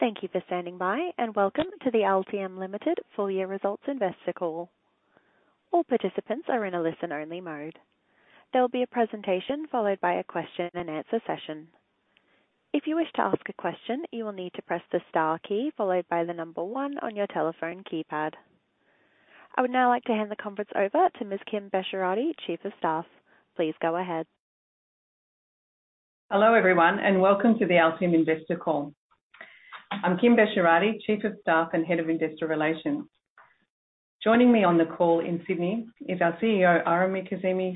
Thank you for standing by, and welcome to the Altium Limited full year results investor call. All participants are in a listen-only mode. There will be a presentation followed by a question and answer session. If you wish to ask a question, you will need to press the star key followed by the number one on your telephone keypad. I would now like to hand the conference over to Ms. Kim Besharati, Chief of Staff. Please go ahead. Hello, everyone, and welcome to the Altium investor call. I'm Kim Besharati, Chief of Staff and Head of Investor Relations. Joining me on the call in Sydney is our CEO, Aram Mirkazemi,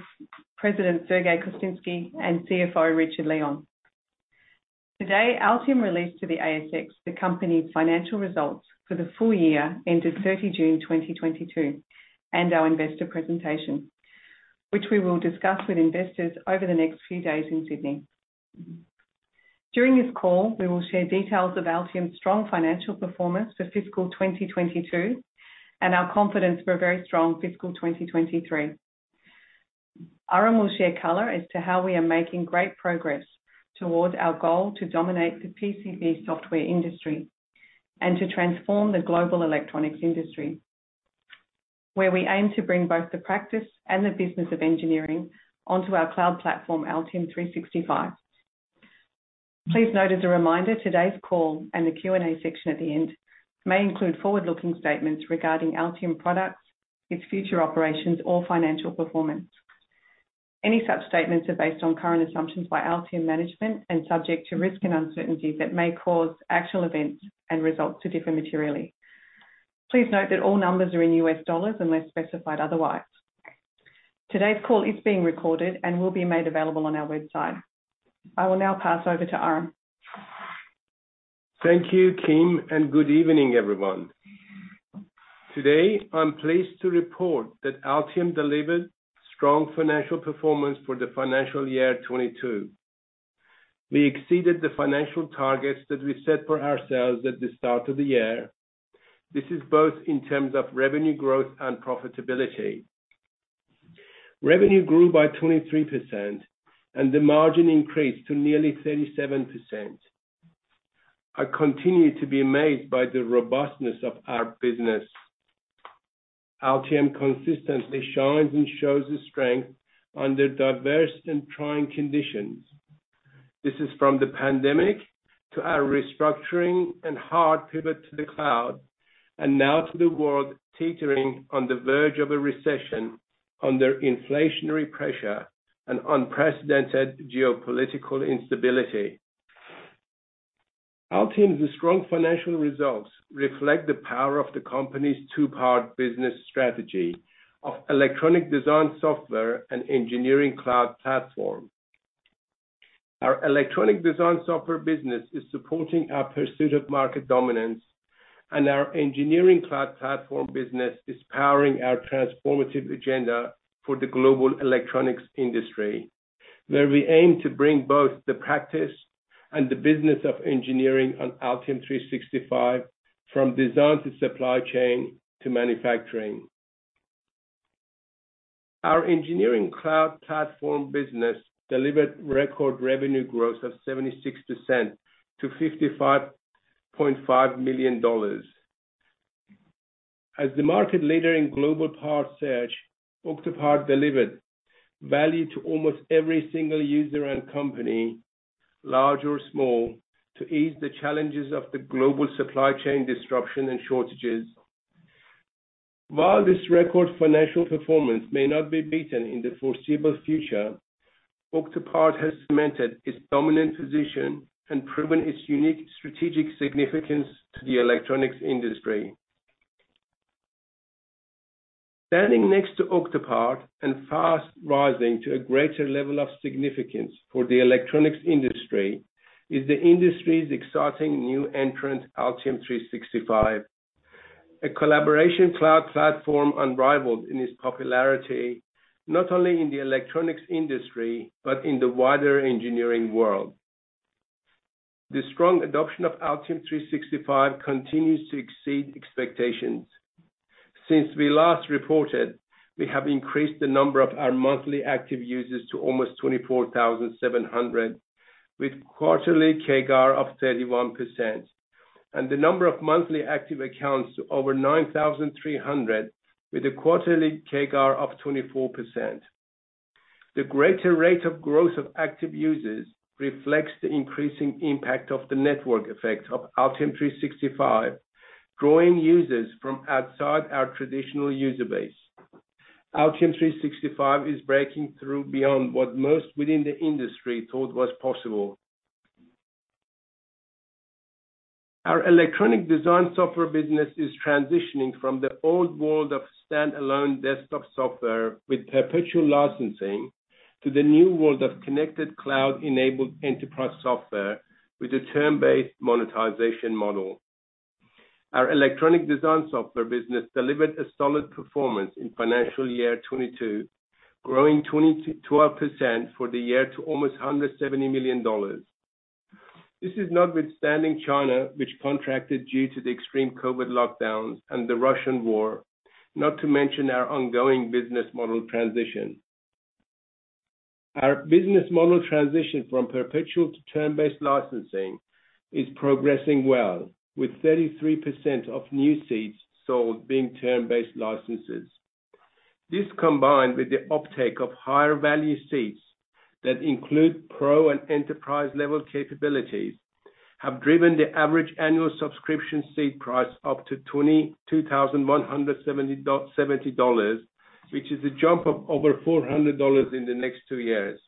President Sergey Kostinsky, and CFO Richard Leon. Today, Altium released to the ASX the company's financial results for the full year ended 30 June 2022, and our investor presentation, which we will discuss with investors over the next few days in Sydney. During this call, we will share details of Altium's strong financial performance for fiscal 2022 and our confidence for a very strong fiscal 2023. Aram will share color as to how we are making great progress towards our goal to dominate the PCB software industry and to transform the global electronics industry, where we aim to bring both the practice and the business of engineering onto our cloud platform, Altium 365. Please note as a reminder, today's call and the Q&A section at the end may include forward-looking statements regarding Altium products, its future operations or financial performance. Any such statements are based on current assumptions by Altium management and subject to risks and uncertainties that may cause actual events and results to differ materially. Please note that all numbers are in US dollars unless specified otherwise. Today's call is being recorded and will be made available on our website. I will now pass over to Aram. Thank you, Kim, and good evening, everyone. Today, I'm pleased to report that Altium delivered strong financial performance for the financial year 2022. We exceeded the financial targets that we set for ourselves at the start of the year. This is both in terms of revenue growth and profitability. Revenue grew by 23% and the margin increased to nearly 37%. I continue to be amazed by the robustness of our business. Altium consistently shines and shows its strength under diverse and trying conditions. This is from the pandemic to our restructuring and hard pivot to the cloud, and now to the world teetering on the verge of a recession under inflationary pressure and unprecedented geopolitical instability. Altium's strong financial results reflect the power of the company's two-part business strategy of electronic design software and engineering cloud platform. Our electronic design software business is supporting our pursuit of market dominance, and our engineering cloud platform business is powering our transformative agenda for the global electronics industry, where we aim to bring both the practice and the business of engineering on Altium 365 from design to supply chain to manufacturing. Our engineering cloud platform business delivered record revenue growth of 76% to $55.5 million. As the market leader in global part search, Octopart delivered value to almost every single user and company, large or small, to ease the challenges of the global supply chain disruption and shortages. While this record financial performance may not be beaten in the foreseeable future, Octopart has cemented its dominant position and proven its unique strategic significance to the electronics industry. Standing next to Octopart and fast rising to a greater level of significance for the electronics industry is the industry's exciting new entrant, Altium 365. A collaboration cloud platform unrivaled in its popularity, not only in the electronics industry but in the wider engineering world. The strong adoption of Altium 365 continues to exceed expectations. Since we last reported, we have increased the number of our monthly active users to almost 24,700, with quarterly CAGR of 31%. The number of monthly active accounts to over 9,300 with a quarterly CAGR of 24%. The greater rate of growth of active users reflects the increasing impact of the network effect of Altium 365, drawing users from outside our traditional user base. Altium 365 is breaking through beyond what most within the industry thought was possible. Our electronic design software business is transitioning from the old world of stand-alone desktop software with perpetual licensing to the new world of connected cloud-enabled enterprise software with a term-based monetization model. Our electronic design software business delivered a solid performance in financial year 2022, growing 22% for the year to almost $170 million. This is notwithstanding China, which contracted due to the extreme COVID lockdowns and the Russian war, not to mention our ongoing business model transition. Our business model transition from perpetual to term-based licensing is progressing well with 33% of new seats sold being term-based licenses. This combined with the uptake of higher value seats that include pro and enterprise level capabilities, have driven the average annual subscription seat price up to $22,170, which is a jump of over $400 in the next two years.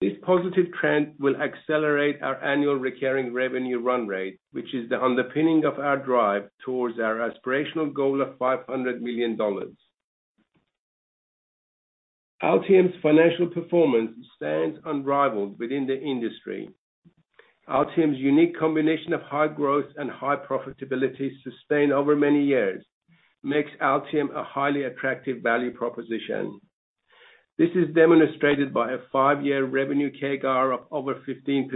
This positive trend will accelerate our annual recurring revenue run rate, which is the underpinning of our drive towards our aspirational goal of $500 million. Altium's financial performance stands unrivaled within the industry. Altium's unique combination of high growth and high profitability sustained over many years makes Altium a highly attractive value proposition. This is demonstrated by a five-year revenue CAGR of over 15%,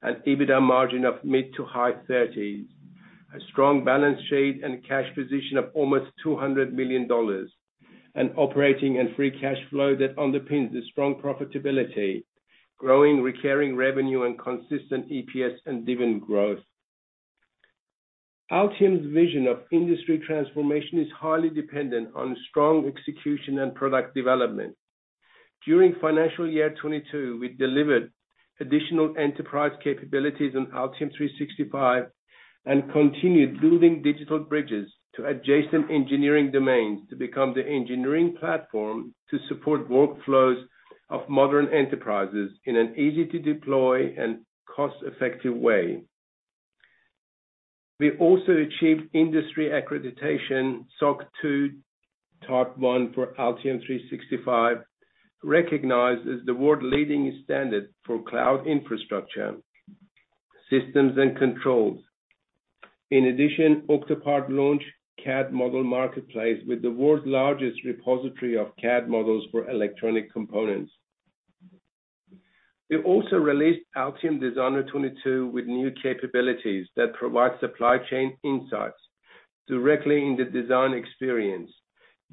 an EBITDA margin of mid-to-high 30s%, a strong balance sheet and cash position of almost $200 million, and operating and free cash flow that underpins the strong profitability, growing recurring revenue, and consistent EPS and dividend growth. Altium's vision of industry transformation is highly dependent on strong execution and product development. During financial year 2022, we delivered additional enterprise capabilities on Altium 365 and continued building digital bridges to adjacent engineering domains to become the engineering platform to support workflows of modern enterprises in an easy-to-deploy and cost-effective way. We also achieved industry accreditation SOC 2 Type 1 for Altium 365, recognized as the world-leading standard for cloud infrastructure systems and controls. In addition, Octopart launched CAD Model Marketplace with the world's largest repository of CAD models for electronic components. We also released Altium Designer 22 with new capabilities that provide supply chain insights directly in the design experience,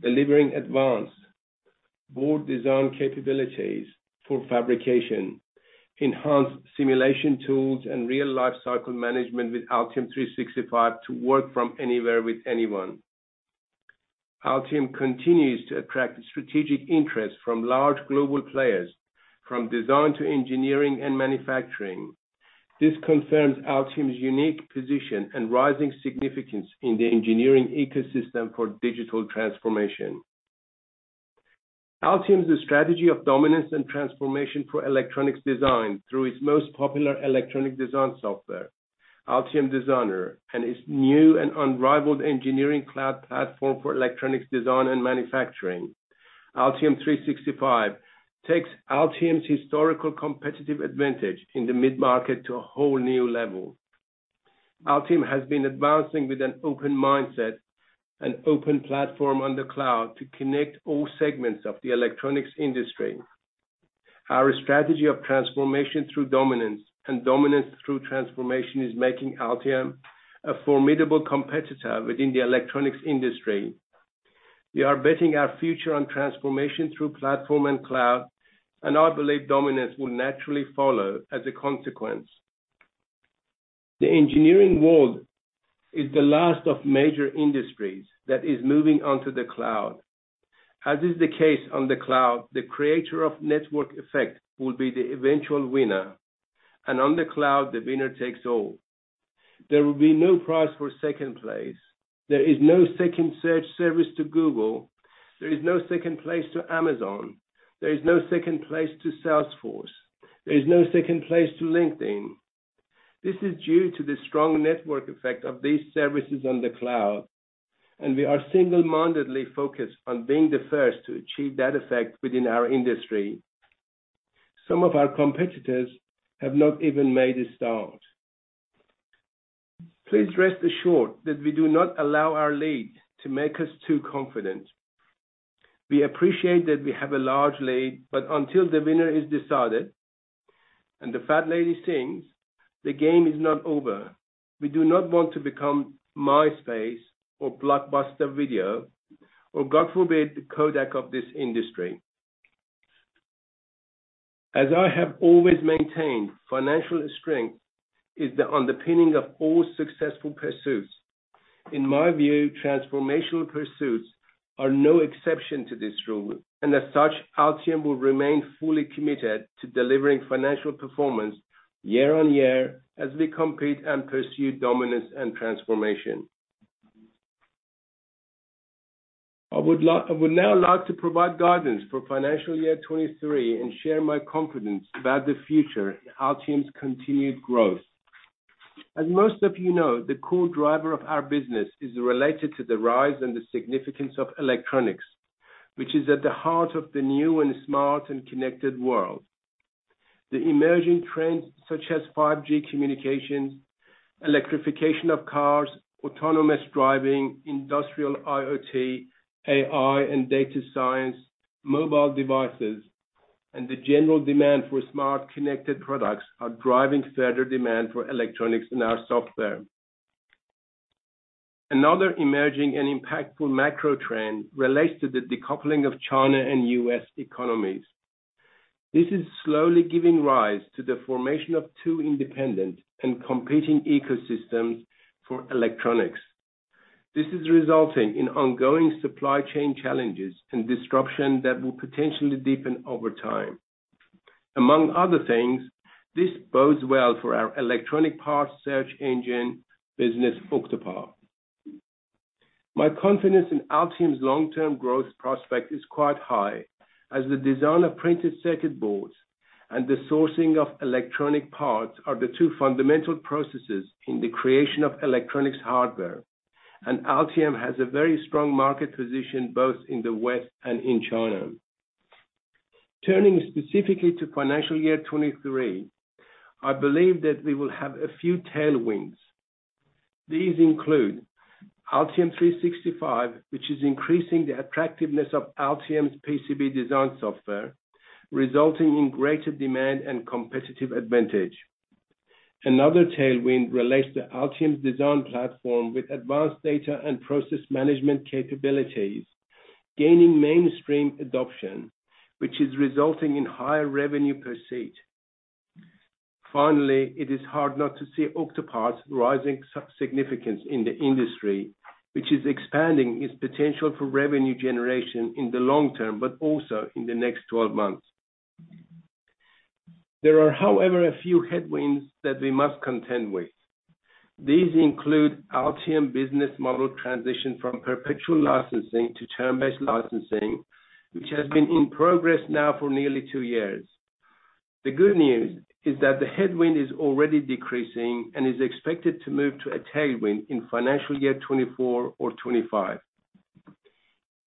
delivering advanced board design capabilities for fabrication, enhanced simulation tools, and real-time lifecycle management with Altium 365 to work from anywhere with anyone. Altium continues to attract strategic interest from large global players from design to engineering and manufacturing. This confirms Altium's unique position and rising significance in the engineering ecosystem for digital transformation. Altium's strategy of dominance and transformation for electronics design through its most popular electronic design software, Altium Designer, and its new and unrivaled engineering cloud platform for electronics design and manufacturing, Altium 365, takes Altium's historical competitive advantage in the mid-market to a whole new level. Altium has been advancing with an open mindset and open platform on the cloud to connect all segments of the electronics industry. Our strategy of transformation through dominance and dominance through transformation is making Altium a formidable competitor within the electronics industry. We are betting our future on transformation through platform and cloud, and I believe dominance will naturally follow as a consequence. The engineering world is the last of major industries that is moving onto the cloud. As is the case on the cloud, the creator of network effect will be the eventual winner. On the cloud, the winner takes all. There will be no prize for second place. There is no second search service to Google. There is no second place to Amazon. There is no second place to Salesforce. There is no second place to LinkedIn. This is due to the strong network effect of these services on the cloud, and we are single-mindedly focused on being the first to achieve that effect within our industry. Some of our competitors have not even made a start. Please rest assured that we do not allow our lead to make us too confident. We appreciate that we have a large lead, but until the winner is decided and the fat lady sings, the game is not over. We do not want to become Myspace or Blockbuster Video or, God forbid, the Kodak of this industry. As I have always maintained, financial strength is the underpinning of all successful pursuits. In my view, transformational pursuits are no exception to this rule, and as such, Altium will remain fully committed to delivering financial performance year-on-year as we compete and pursue dominance and transformation. I would now like to provide guidance for financial year 2023 and share my confidence about the future in Altium's continued growth. As most of you know, the core driver of our business is related to the rise and the significance of electronics, which is at the heart of the new and smart and connected world. The emerging trends such as 5G communications, electrification of cars, autonomous driving, industrial IoT, AI and data science, mobile devices, and the general demand for smart connected products are driving further demand for electronics and our software. Another emerging and impactful macro trend relates to the decoupling of China and U.S. economies. This is slowly giving rise to the formation of two independent and competing ecosystems for electronics. This is resulting in ongoing supply chain challenges and disruption that will potentially deepen over time. Among other things, this bodes well for our electronic parts search engine business, Octopart. My confidence in Altium's long-term growth prospect is quite high, as the design of printed circuit boards and the sourcing of electronic parts are the two fundamental processes in the creation of electronics hardware. Altium has a very strong market position, both in the West and in China. Turning specifically to financial year 2023, I believe that we will have a few tailwinds. These include Altium 365, which is increasing the attractiveness of Altium's PCB design software, resulting in greater demand and competitive advantage. Another tailwind relates to Altium's design platform with advanced data and process management capabilities, gaining mainstream adoption, which is resulting in higher revenue per seat. Finally, it is hard not to see Octopart's rising significance in the industry, which is expanding its potential for revenue generation in the long term, but also in the next 12 months. There are, however, a few headwinds that we must contend with. These include Altium business model transition from perpetual licensing to term-based licensing, which has been in progress now for nearly two years. The good news is that the headwind is already decreasing and is expected to move to a tailwind in financial year 2024 or 2025.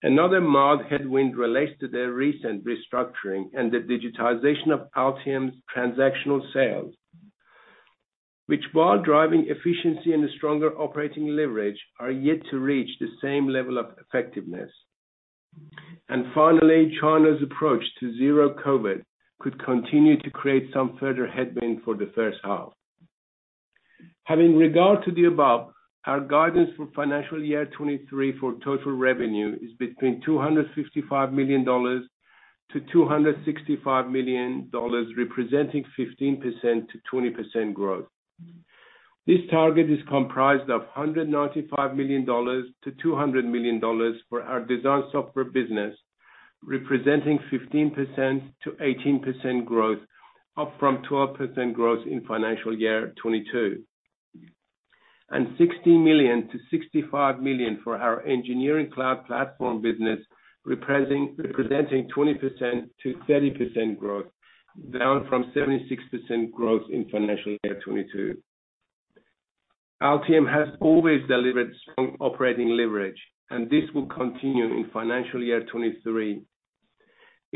Another mild headwind relates to their recent restructuring and the digitization of Altium's transactional sales, which while driving efficiency and stronger operating leverage, are yet to reach the same level of effectiveness. Finally, China's approach to zero COVID could continue to create some further headwind for the first half. Having regard to the above, our guidance for financial year 2023 for total revenue is between $255 million-$265 million, representing 15%-20% growth. This target is comprised of $195 million-$200 million for our design software business, representing 15%-18% growth, up from 12% growth in financial year 2022. $60 million-$65 million for our engineering cloud platform business, representing 20%-30% growth, down from 36% growth in financial year 2022. Altium has always delivered strong operating leverage, and this will continue in financial year 2023.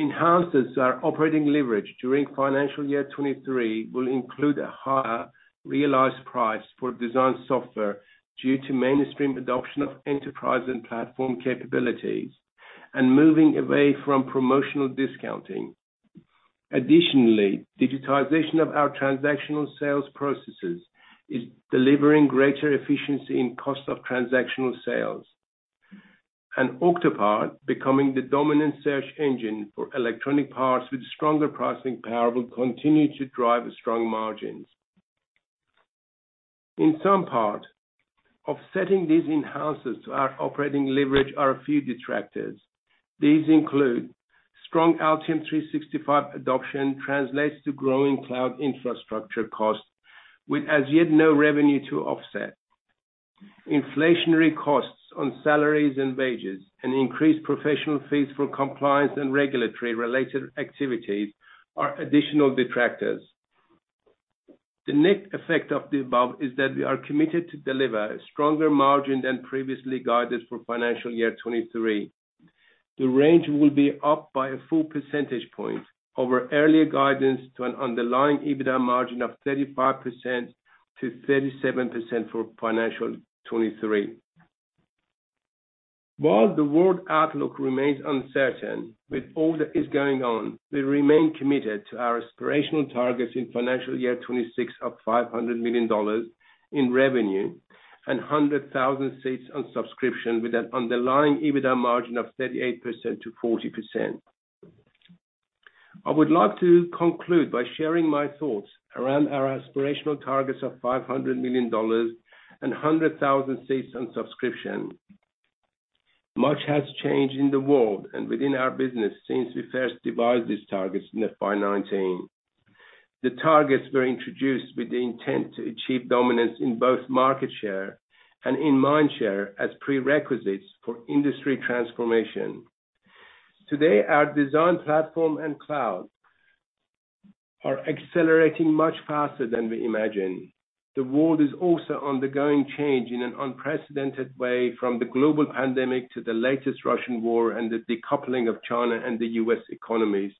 Enhancers to our operating leverage during financial year 2023 will include a higher realized price for design software due to mainstream adoption of enterprise and platform capabilities and moving away from promotional discounting. Additionally, digitization of our transactional sales processes is delivering greater efficiency in cost of transactional sales. Octopart becoming the dominant search engine for electronic parts with stronger pricing power will continue to drive strong margins. In some part, offsetting these enhancements to our operating leverage are a few detractors. These include strong Altium 365 adoption translates to growing cloud infrastructure costs with as yet no revenue to offset. Inflationary costs on salaries and wages and increased professional fees for compliance and regulatory-related activities are additional detractors. The net effect of the above is that we are committed to deliver a stronger margin than previously guided for financial year 2023. The range will be up by a full percentage point over earlier guidance to an underlying EBITDA margin of 35%-37% for financial 2023. While the world outlook remains uncertain, with all that is going on, we remain committed to our aspirational targets in financial year 2026 of $500 million in revenue and 100,000 seats on subscription with an underlying EBITDA margin of 38%-40%. I would like to conclude by sharing my thoughts around our aspirational targets of $500 million and 100,000 seats on subscription. Much has changed in the world and within our business since we first devised these targets in FY 2019. The targets were introduced with the intent to achieve dominance in both market share and in mind share as prerequisites for industry transformation. Today, our design platform and cloud are accelerating much faster than we imagined. The world is also undergoing change in an unprecedented way from the global pandemic to the latest Russian war and the decoupling of China and the US economies.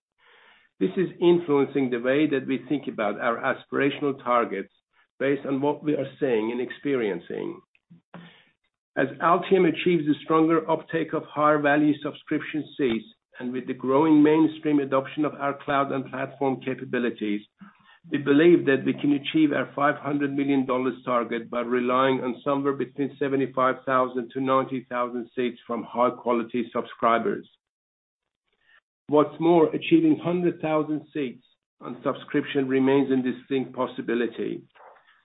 This is influencing the way that we think about our aspirational targets based on what we are seeing and experiencing. As Altium achieves a stronger uptake of higher value subscription seats, and with the growing mainstream adoption of our cloud and platform capabilities. We believe that we can achieve our $500 million target by relying on somewhere between 75,000-90,000 seats from high-quality subscribers. What's more, achieving 100,000 seats on subscription remains a distinct possibility.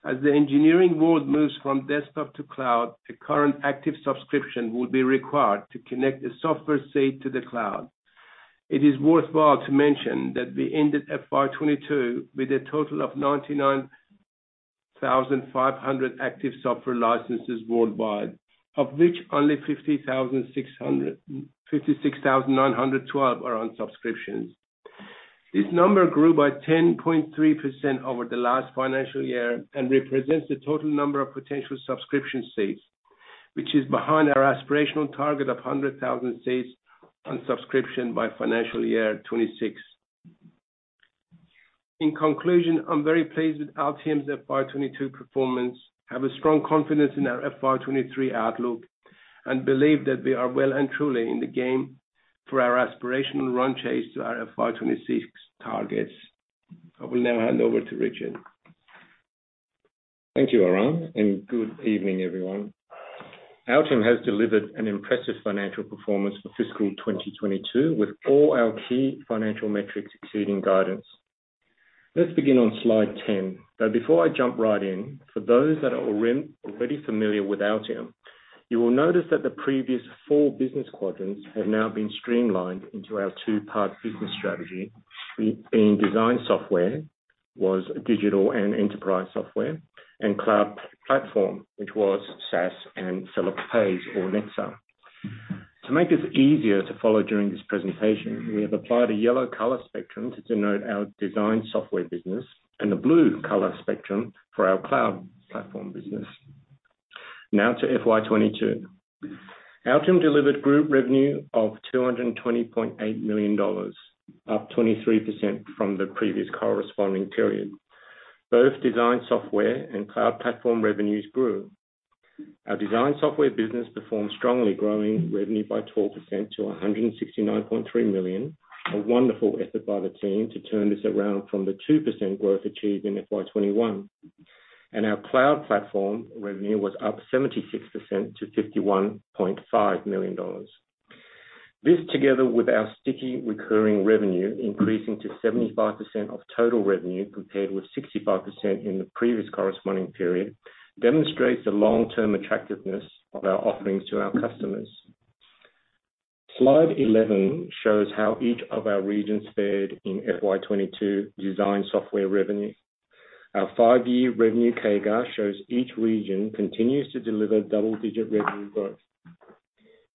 As the engineering world moves from desktop to cloud, a current active subscription will be required to connect a software seat to the cloud. It is worthwhile to mention that we ended FY 2022 with a total of 99,500 active software licenses worldwide, of which only 56,912 are on subscriptions. This number grew by 10.3% over the last financial year and represents the total number of potential subscription seats, which is behind our aspirational target of 100,000 seats on subscription by financial year 2026. In conclusion, I'm very pleased with Altium's FY 2022 performance. I have a strong confidence in our FY 2023 outlook, and believe that we are well and truly in the game for our aspirational run chase to our FY 2026 targets. I will now hand over to Richard. Thank you, Aram, and good evening, everyone. Altium has delivered an impressive financial performance for fiscal 2022, with all our key financial metrics exceeding guidance. Let's begin on slide 10. Before I jump right in, for those that are already familiar with Altium, you will notice that the previous four business quadrants have now been streamlined into our two-part business strategy. Our design software was digital and enterprise software, and cloud platform, which was SaaS and CircuitMaker or NEXUS. To make this easier to follow during this presentation, we have applied a yellow color spectrum to denote our design software business and a blue color spectrum for our cloud platform business. Now to FY 2022. Altium delivered group revenue of $220.8 million, up 23% from the previous corresponding period. Both design software and cloud platform revenues grew. Our design software business performed strongly, growing revenue by 12% to $169.3 million. A wonderful effort by the team to turn this around from the 2% growth achieved in FY 2021. Our cloud platform revenue was up 76% to $51.5 million. This, together with our sticky recurring revenue, increasing to 75% of total revenue, compared with 65% in the previous corresponding period, demonstrates the long-term attractiveness of our offerings to our customers. Slide 11 shows how each of our regions fared in FY 2022 design software revenue. Our five-year revenue CAGR shows each region continues to deliver double-digit revenue growth.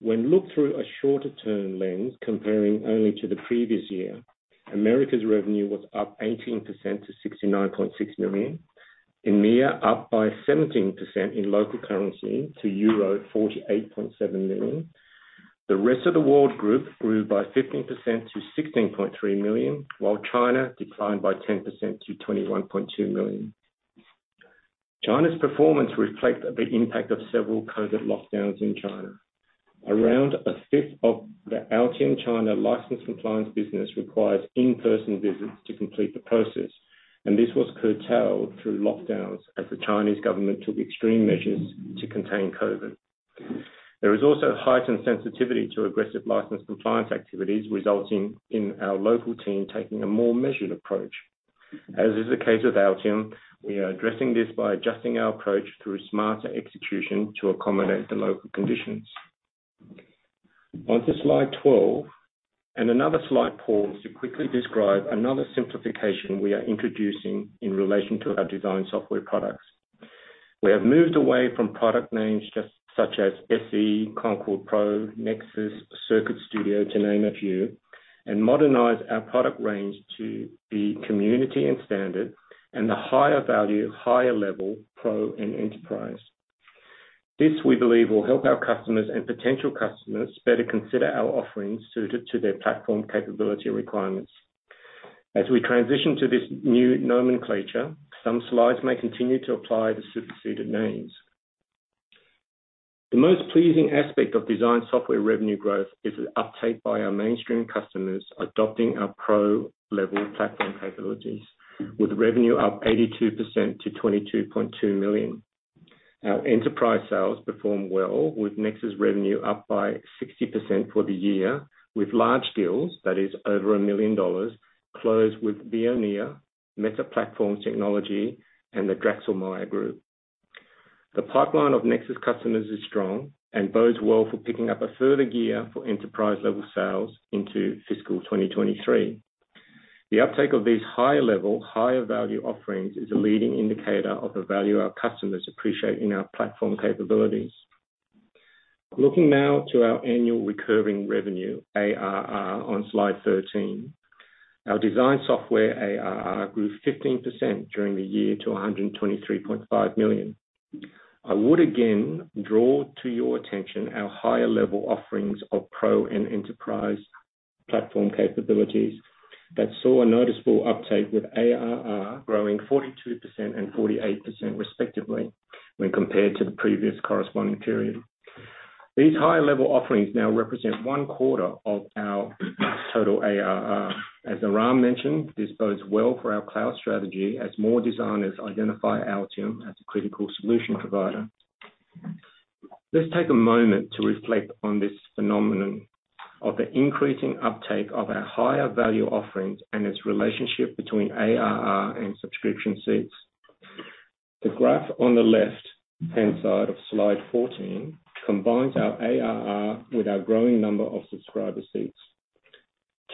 When looked through a shorter term lens, comparing only to the previous year, America's revenue was up 18% to $69.6 million. EMEA up by 17% in local currency to euro 48.7 million. The rest of the world group grew by 15% to $16.3 million, while China declined by 10% to $21.2 million. China's performance reflects the impact of several COVID lockdowns in China. Around a fifth of the Altium China license compliance business requires in-person visits to complete the process, and this was curtailed through lockdowns as the Chinese government took extreme measures to contain COVID. There is also heightened sensitivity to aggressive license compliance activities, resulting in our local team taking a more measured approach. As is the case with Altium, we are addressing this by adjusting our approach through smarter execution to accommodate the local conditions. On to slide 12, and another slight pause to quickly describe another simplification we are introducing in relation to our design software products. We have moved away from product names just such as SE, Concord Pro, NEXUS, CircuitStudio, to name a few, and modernized our product range to the community and standard and the higher value, higher level Pro and Enterprise. This, we believe, will help our customers and potential customers better consider our offerings suited to their platform capability requirements. As we transition to this new nomenclature, some slides may continue to apply the superseded names. The most pleasing aspect of design software revenue growth is the uptake by our mainstream customers adopting our Pro level platform capabilities, with revenue up 82% to 22.2 million. Our enterprise sales perform well, with NEXUS revenue up by 60% for the year, with large deals, that is over 1 million dollars, closed with Veoneer, Meta Platforms and the Dräxlmaier Group. The pipeline of Nexus customers is strong and bodes well for picking up a further gear for enterprise-level sales into fiscal 2023. The uptake of these higher level, higher value offerings is a leading indicator of the value our customers appreciate in our platform capabilities. Looking now to our annual recurring revenue, ARR, on slide 13. Our design software ARR grew 15% during the year to $123.5 million. I would again draw to your attention our higher level offerings of Pro and Enterprise platform capabilities that saw a noticeable uptake with ARR growing 42% and 48% respectively when compared to the previous corresponding period. These higher level offerings now represent one quarter of our total ARR. As Aram mentioned, this bodes well for our cloud strategy as more designers identify Altium as a critical solution provider. Let's take a moment to reflect on this phenomenon of the increasing uptake of our higher value offerings and its relationship between ARR and subscription seats. The graph on the left-hand side of slide 14 combines our ARR with our growing number of subscriber seats.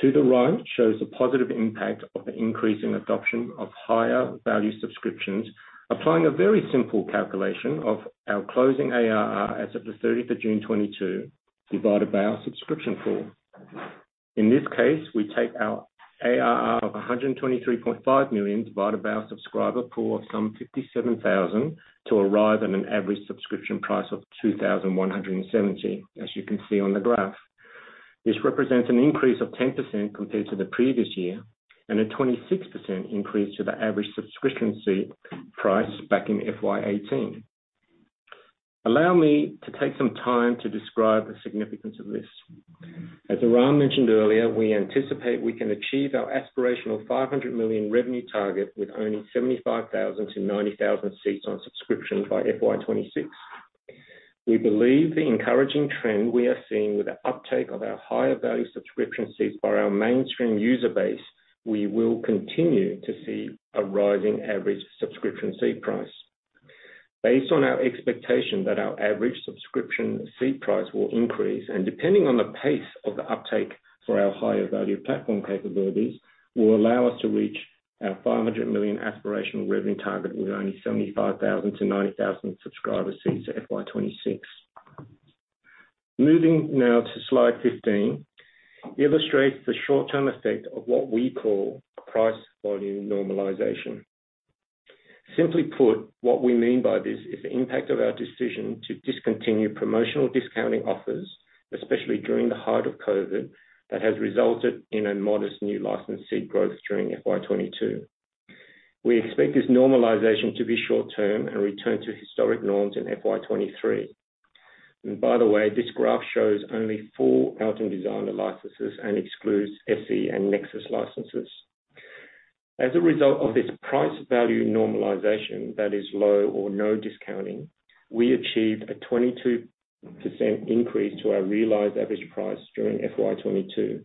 To the right shows the positive impact of the increasing adoption of higher value subscriptions, applying a very simple calculation of our closing ARR as of 30 June 2022, divided by our subscription pool. In this case, we take our ARR of $123.5 million divided by our subscriber pool of some 57,000 to arrive at an average subscription price of $2,170, as you can see on the graph. This represents an increase of 10% compared to the previous year, and a 26% increase to the average subscription seat price back in FY 2018. Allow me to take some time to describe the significance of this. As Aram mentioned earlier, we anticipate we can achieve our aspirational $500 million revenue target with only 75,000-90,000 seats on subscription by FY 2026. We believe the encouraging trend we are seeing with the uptake of our higher value subscription seats by our mainstream user base, we will continue to see a rising average subscription seat price. Based on our expectation that our average subscription seat price will increase, and depending on the pace of the uptake for our higher value platform capabilities, will allow us to reach our $500 million aspirational revenue target with only 75,000-90,000 subscriber seats at FY 2026. Moving now to slide 15, illustrates the short term effect of what we call price volume normalization. Simply put, what we mean by this is the impact of our decision to discontinue promotional discounting offers, especially during the height of COVID, that has resulted in a modest new license seat growth during FY 2022. We expect this normalization to be short term and return to historic norms in FY 2023. By the way, this graph shows only full Altium Designer licenses and excludes SE and NEXUS licenses. As a result of this price value normalization that is low or no discounting, we achieved a 22% increase to our realized average price during FY 2022.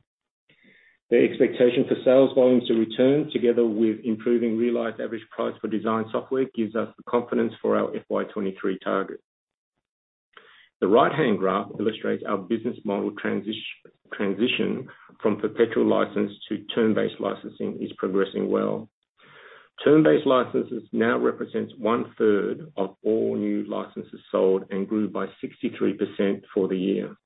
The expectation for sales volumes to return together with improving realized average price for design software gives us the confidence for our FY 2023 target. The right-hand graph illustrates our business model transition from perpetual license to term-based licensing is progressing well. Term-based licenses now represents 1/3 of all new licenses sold and grew by 63% for the year.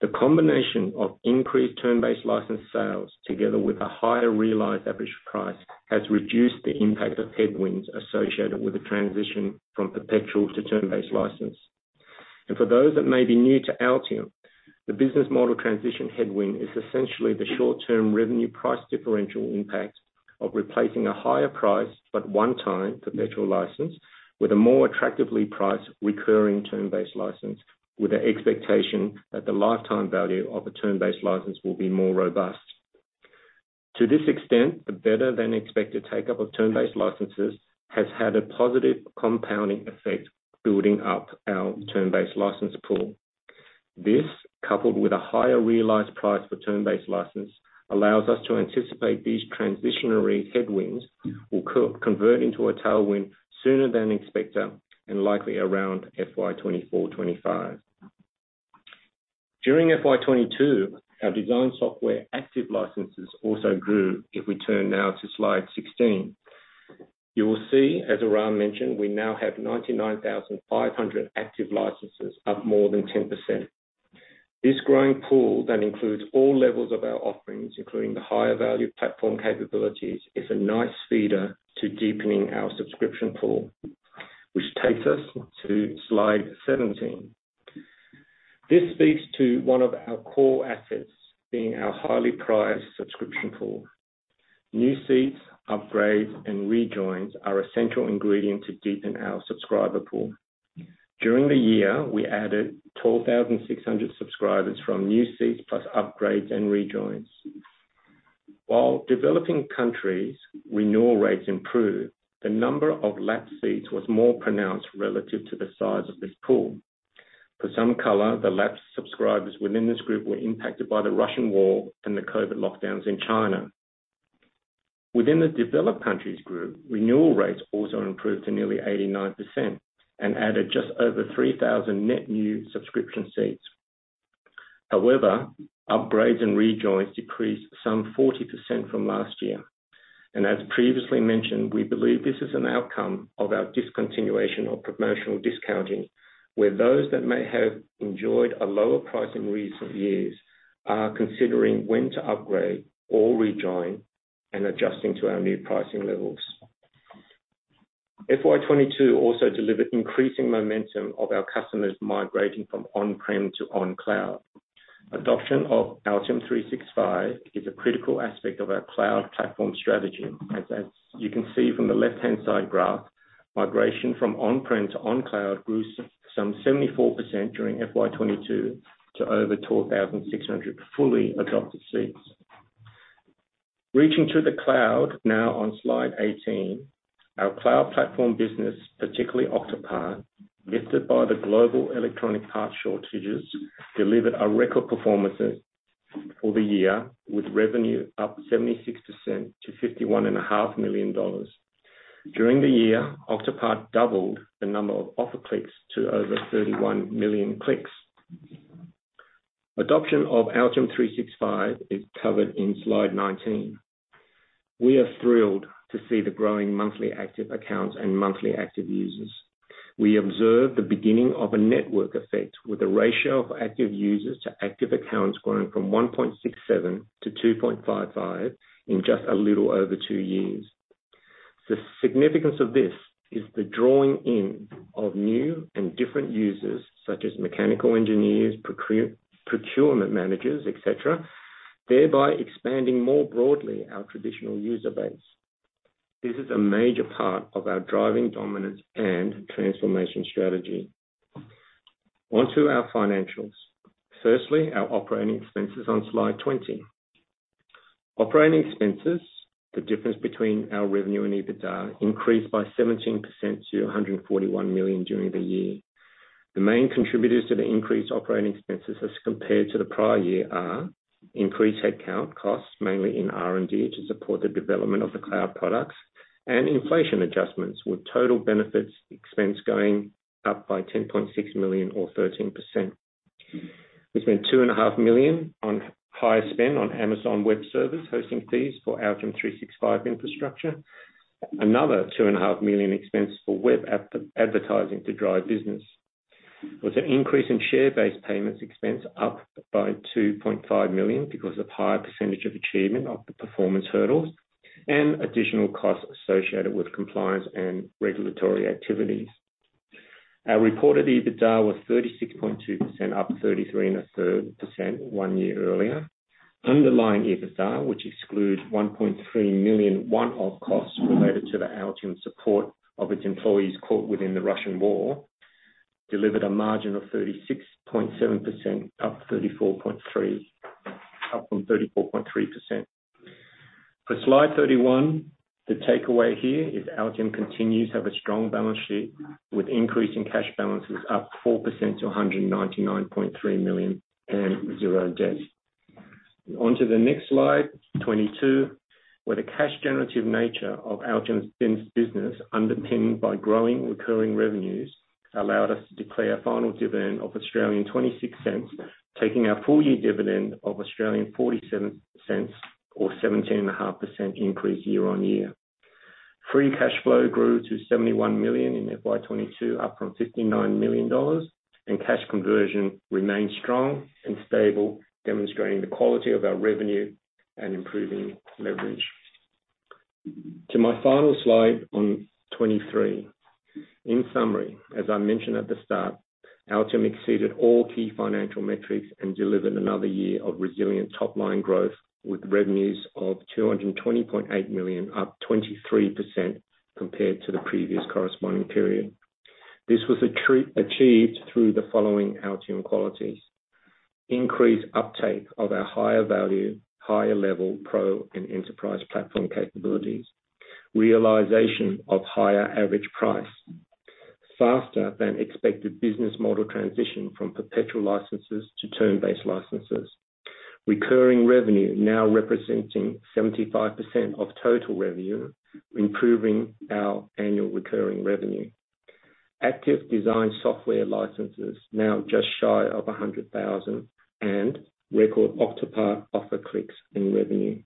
The combination of increased term-based license sales together with a higher realized average price has reduced the impact of headwinds associated with the transition from perpetual to term-based license. For those that may be new to Altium, the business model transition headwind is essentially the short-term revenue price differential impact of replacing a higher price at one time perpetual license with a more attractively priced recurring term-based license, with the expectation that the lifetime value of a term-based license will be more robust. To this extent, the better-than-expected take-up of term-based licenses has had a positive compounding effect building up our term-based license pool. This, coupled with a higher realized price for term-based license, allows us to anticipate these transitional headwinds will convert into a tailwind sooner than expected and likely around FY 2024, 2025. During FY 2022, our design software active licenses also grew, if we turn now to slide 16. You will see, as Aram mentioned, we now have 99,500 active licenses, up more than 10%. This growing pool that includes all levels of our offerings, including the higher value platform capabilities, is a nice feeder to deepening our subscription pool, which takes us to slide 17. This speaks to one of our core assets being our highly prized subscription pool. New seats, upgrades, and rejoins are a central ingredient to deepen our subscriber pool. During the year, we added 12,600 subscribers from new seats, plus upgrades and rejoins. While developing countries renewal rates improved, the number of lapsed seats was more pronounced relative to the size of this pool. For some color, the lapsed subscribers within this group were impacted by the Russian war and the COVID lockdowns in China. Within the developed countries group, renewal rates also improved to nearly 89% and added just over 3,000 net new subscription seats. However, upgrades and rejoins decreased some 40% from last year. As previously mentioned, we believe this is an outcome of our discontinuation of promotional discounting, where those that may have enjoyed a lower price in recent years are considering when to upgrade or rejoin and adjusting to our new pricing levels. FY 22 also delivered increasing momentum of our customers migrating from on-prem to on-cloud. Adoption of Altium 365 is a critical aspect of our cloud platform strategy. As you can see from the left-hand side graph, migration from on-prem to on cloud grew some 74% during FY 22 to over 12,600 fully adopted seats. Reaching to the cloud now on slide 18. Our cloud platform business, particularly Octopart, lifted by the global electronic part shortages, delivered a record performances for the year, with revenue up 76% to $51.5 million. During the year, Octopart doubled the number of offer clicks to over 31 million clicks. Adoption of Altium 365 is covered in slide 19. We are thrilled to see the growing monthly active accounts and monthly active users. We observe the beginning of a network effect with the ratio of active users to active accounts growing from 1.67 to 2.55 in just a little over two years. The significance of this is the drawing in of new and different users, such as mechanical engineers, procurement managers, et cetera, thereby expanding more broadly our traditional user base. This is a major part of our driving dominance and transformation strategy. Onto our financials. Firstly, our operating expenses on slide 20. Operating expenses, the difference between our revenue and EBITDA, increased by 17% to $141 million during the year. The main contributors to the increased operating expenses as compared to the prior year are increased headcount costs, mainly in R&D to support the development of the cloud products and inflation adjustments with total benefits expense going up by $10.6 million or 13%. We spent $2.5 million on higher spend on Amazon Web Services hosting fees for Altium 365 infrastructure. Another $2.5 million expense for web advertising to drive business. With an increase in share-based payments expense up by $2.5 million because of higher percentage of achievement of the performance hurdles and additional costs associated with compliance and regulatory activities. Our reported EBITDA was 36.2%, up 33 1/3% one year earlier. Underlying EBITDA, which excludes 1.3 million one-off costs related to the Altium support of its employees caught within the Russian war, delivered a margin of 36.7%, up from 34.3%. For slide 31, the takeaway here is Altium continues to have a strong balance sheet with increase in cash balances up 4% to 199.3 million and zero debt. Onto the next slide, 22, where the cash generative nature of Altium's business, underpinned by growing recurring revenues, allowed us to declare a final dividend of 0.26, taking our full-year dividend of 0.47 or 17.5% increase year-on-year. Free cash flow grew to 71 million in FY 2022, up from 59 million dollars. Cash conversion remains strong and stable, demonstrating the quality of our revenue and improving leverage. To my final slide on 2023. In summary, as I mentioned at the start, Altium exceeded all key financial metrics and delivered another year of resilient top-line growth with revenues of 220.8 million, up 23% compared to the previous corresponding period. This was achieved through the following Altium qualities. Increased uptake of our higher value, higher level pro and enterprise platform capabilities. Realization of higher average price. Faster than expected business model transition from perpetual licenses to term-based licenses. Recurring revenue now representing 75% of total revenue, improving our annual recurring revenue. Active design software licenses now just shy of 100,000 and record Octopart offer clicks and revenue.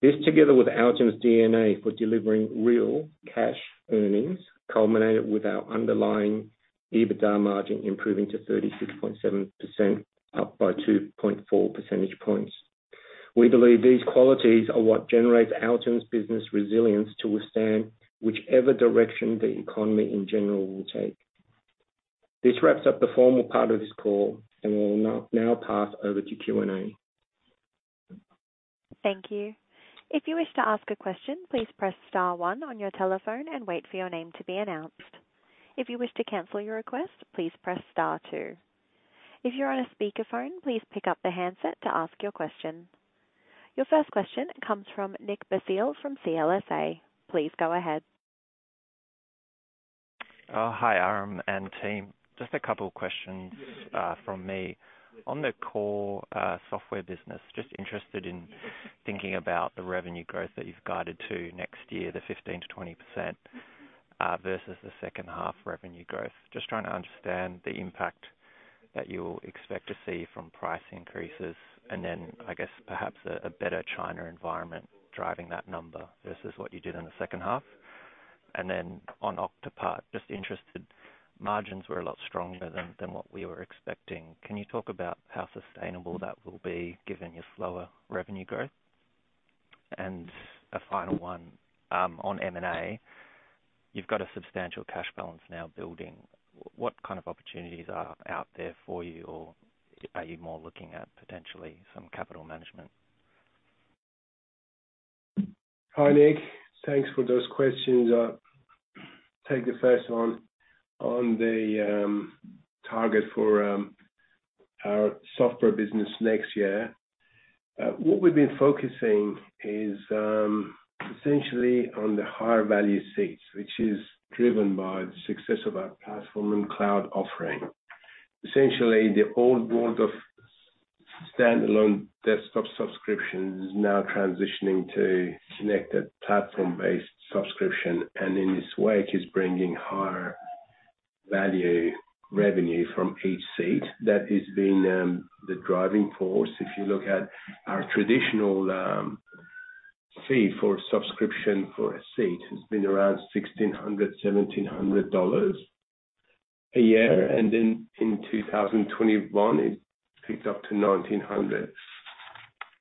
This, together with Altium's DNA for delivering real cash earnings, culminated with our underlying EBITDA margin improving to 36.7%, up by 2.4 percentage points. We believe these qualities are what generates Altium's business resilience to withstand whichever direction the economy in general will take. This wraps up the formal part of this call, and we'll now pass over to Q&A. Thank you. If you wish to ask a question, please press star one on your telephone and wait for your name to be announced. If you wish to cancel your request, please press star two. If you're on a speaker phone, please pick up the handset to ask your question. Your first question comes from Nick Basile from CLSA. Please go ahead. Hi, Aram and team. Just a couple of questions from me. On the core software business, just interested in thinking about the revenue growth that you've guided to next year, the 15%-20%, versus the second half revenue growth. Just trying to understand the impact that you'll expect to see from price increases and then I guess perhaps a better China environment driving that number versus what you did in the second half. On Octopart, just interested, margins were a lot stronger than what we were expecting. Can you talk about how sustainable that will be given your slower revenue growth? A final one on M&A. You've got a substantial cash balance now building. What kind of opportunities are out there for you or are you more looking at potentially some capital management? Hi, Nick. Thanks for those questions. Take the first one. On the target for our software business next year, what we've been focusing is essentially on the higher value seats, which is driven by the success of our platform and cloud offering. Essentially, the old world of standalone desktop subscription is now transitioning to connected platform-based subscription, and in this way it is bringing higher value revenue from each seat. That has been the driving force. If you look at our traditional fee for subscription for a seat, it's been around $1,600, $1,700 a year, and then in 2021 it ticks up to $1,900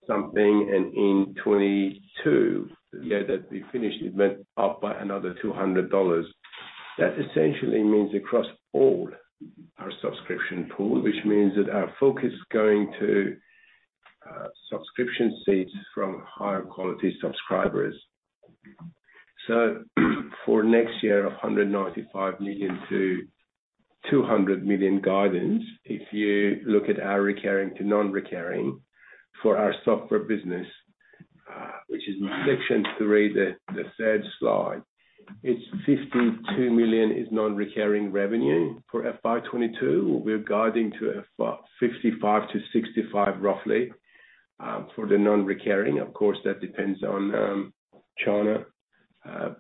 something, and in 2022, the year that we finished, it went up by another $200. That essentially means across all our subscription pool, which means that our focus is going to subscription seats from higher quality subscribers. For next year, $195 million-$200 million guidance, if you look at our recurring to non-recurring for our software business, which is in section 3, the third slide. It's 52 million is non-recurring revenue. For FY 2022 we're guiding to 55-65 roughly, for the non-recurring. Of course, that depends on China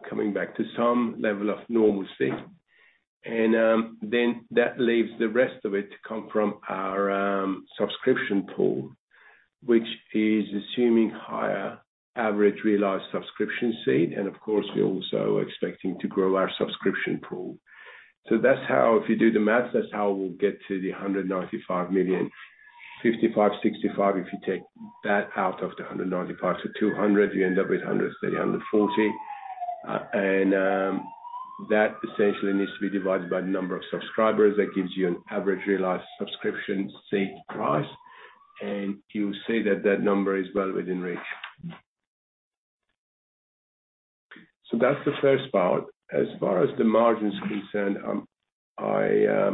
coming back to some level of normalcy. That leaves the rest of it to come from our subscription pool, which is assuming higher average realized subscription seat, and of course we also are expecting to grow our subscription pool. That's how, if you do the math, that's how we'll get to the $195 million. 55-65, if you take that out of the 195-200, you end up with 130-140. That essentially needs to be divided by the number of subscribers. That gives you an average realized subscription seat price. You see that that number is well within reach. That's the first part. As far as the margin's concerned, I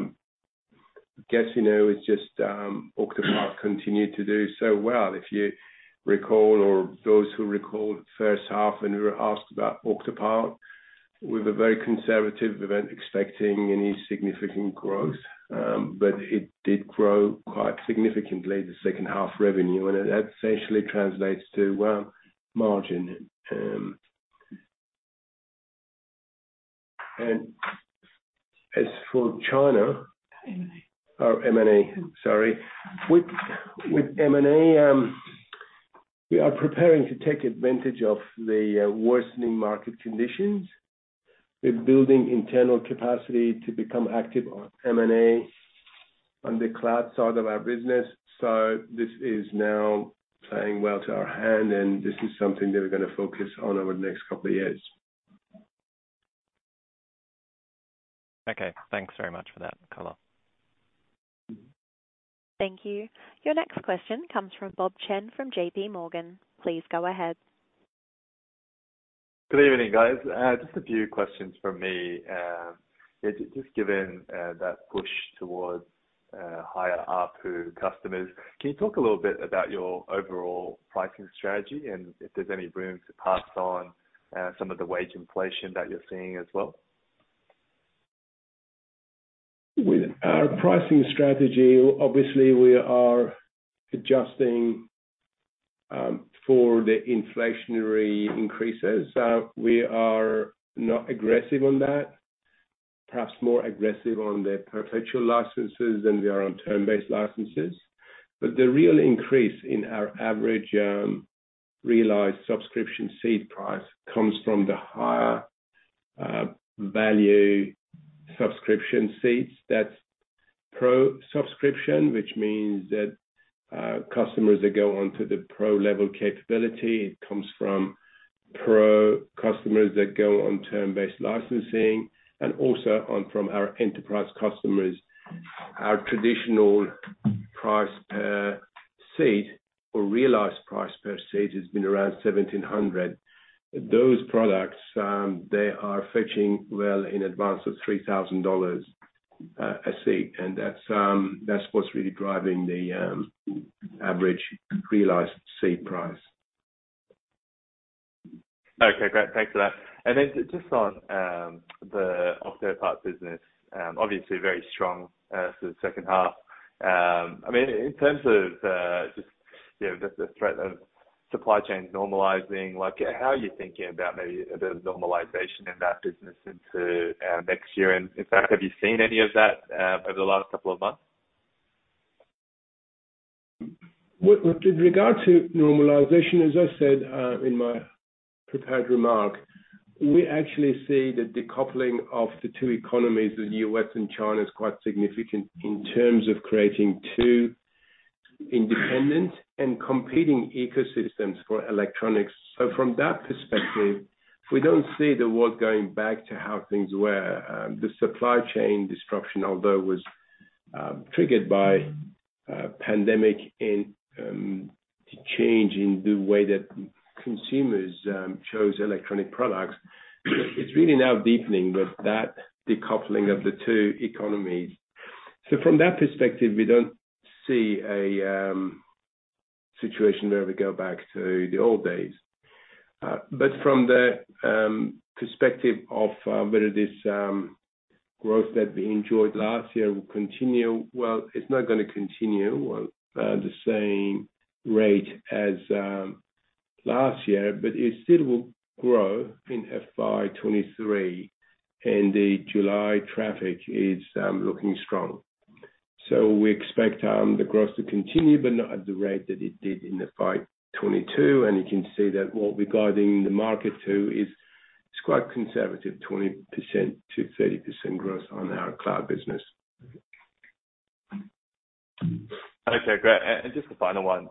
guess, you know, it's just Octopart continued to do so well. If you recall, or those who recall the first half when we were asked about Octopart, we were very conservative. We weren't expecting any significant growth, but it did grow quite significantly, the second half revenue. That essentially translates to well, margin. As for China. M&A. With M&A, we are preparing to take advantage of the worsening market conditions. We're building internal capacity to become active on M&A on the cloud side of our business. This is now playing well to our hand and this is something that we're gonna focus on over the next couple of years. Okay. Thanks very much for that color. Thank you. Your next question comes from Bob Chen from J.P. Morgan. Please go ahead. Good evening, guys. Just a few questions from me. Yeah, just given that push towards higher ARPU customers, can you talk a little bit about your overall pricing strategy and if there's any room to pass on some of the wage inflation that you're seeing as well? With our pricing strategy, obviously we are adjusting for the inflationary increases. We are not aggressive on that. Perhaps more aggressive on the perpetual licenses than we are on term-based licenses. The real increase in our average realized subscription seat price comes from the higher value subscription seats. That's Pro subscription, which means that it comes from Pro customers that go on term-based licensing and also on from our enterprise customers. Our traditional price per seat or realized price per seat has been around 1700. Those products, they are fetching well in advance of $3000 a seat. That's what's really driving the average realized seat price. Okay, great. Thanks for that. Just on the Octopart business, obviously very strong through the second half. I mean in terms of, just, you know, the threat of supply chain normalizing, like how are you thinking about maybe a bit of normalization in that business into next year? In fact, have you seen any of that over the last couple of months? With regard to normalization, as I said, in my prepared remark. We actually see the decoupling of the two economies, the U.S. and China, is quite significant in terms of creating two independent and competing ecosystems for electronics. From that perspective, we don't see the world going back to how things were. The supply chain disruption, although it was triggered by pandemic and change in the way that consumers chose electronic products, it's really now deepening with that decoupling of the two economies. From that perspective, we don't see a situation where we go back to the old days. From the perspective of whether this growth that we enjoyed last year will continue, well, it's not gonna continue on the same rate as last year, but it still will grow in FY 23, and the July traffic is looking strong. We expect the growth to continue, but not at the rate that it did in the FY 22. You can see that what we're guiding the market to is quite conservative, 20%-30% growth on our cloud business. Okay, great. Just the final one.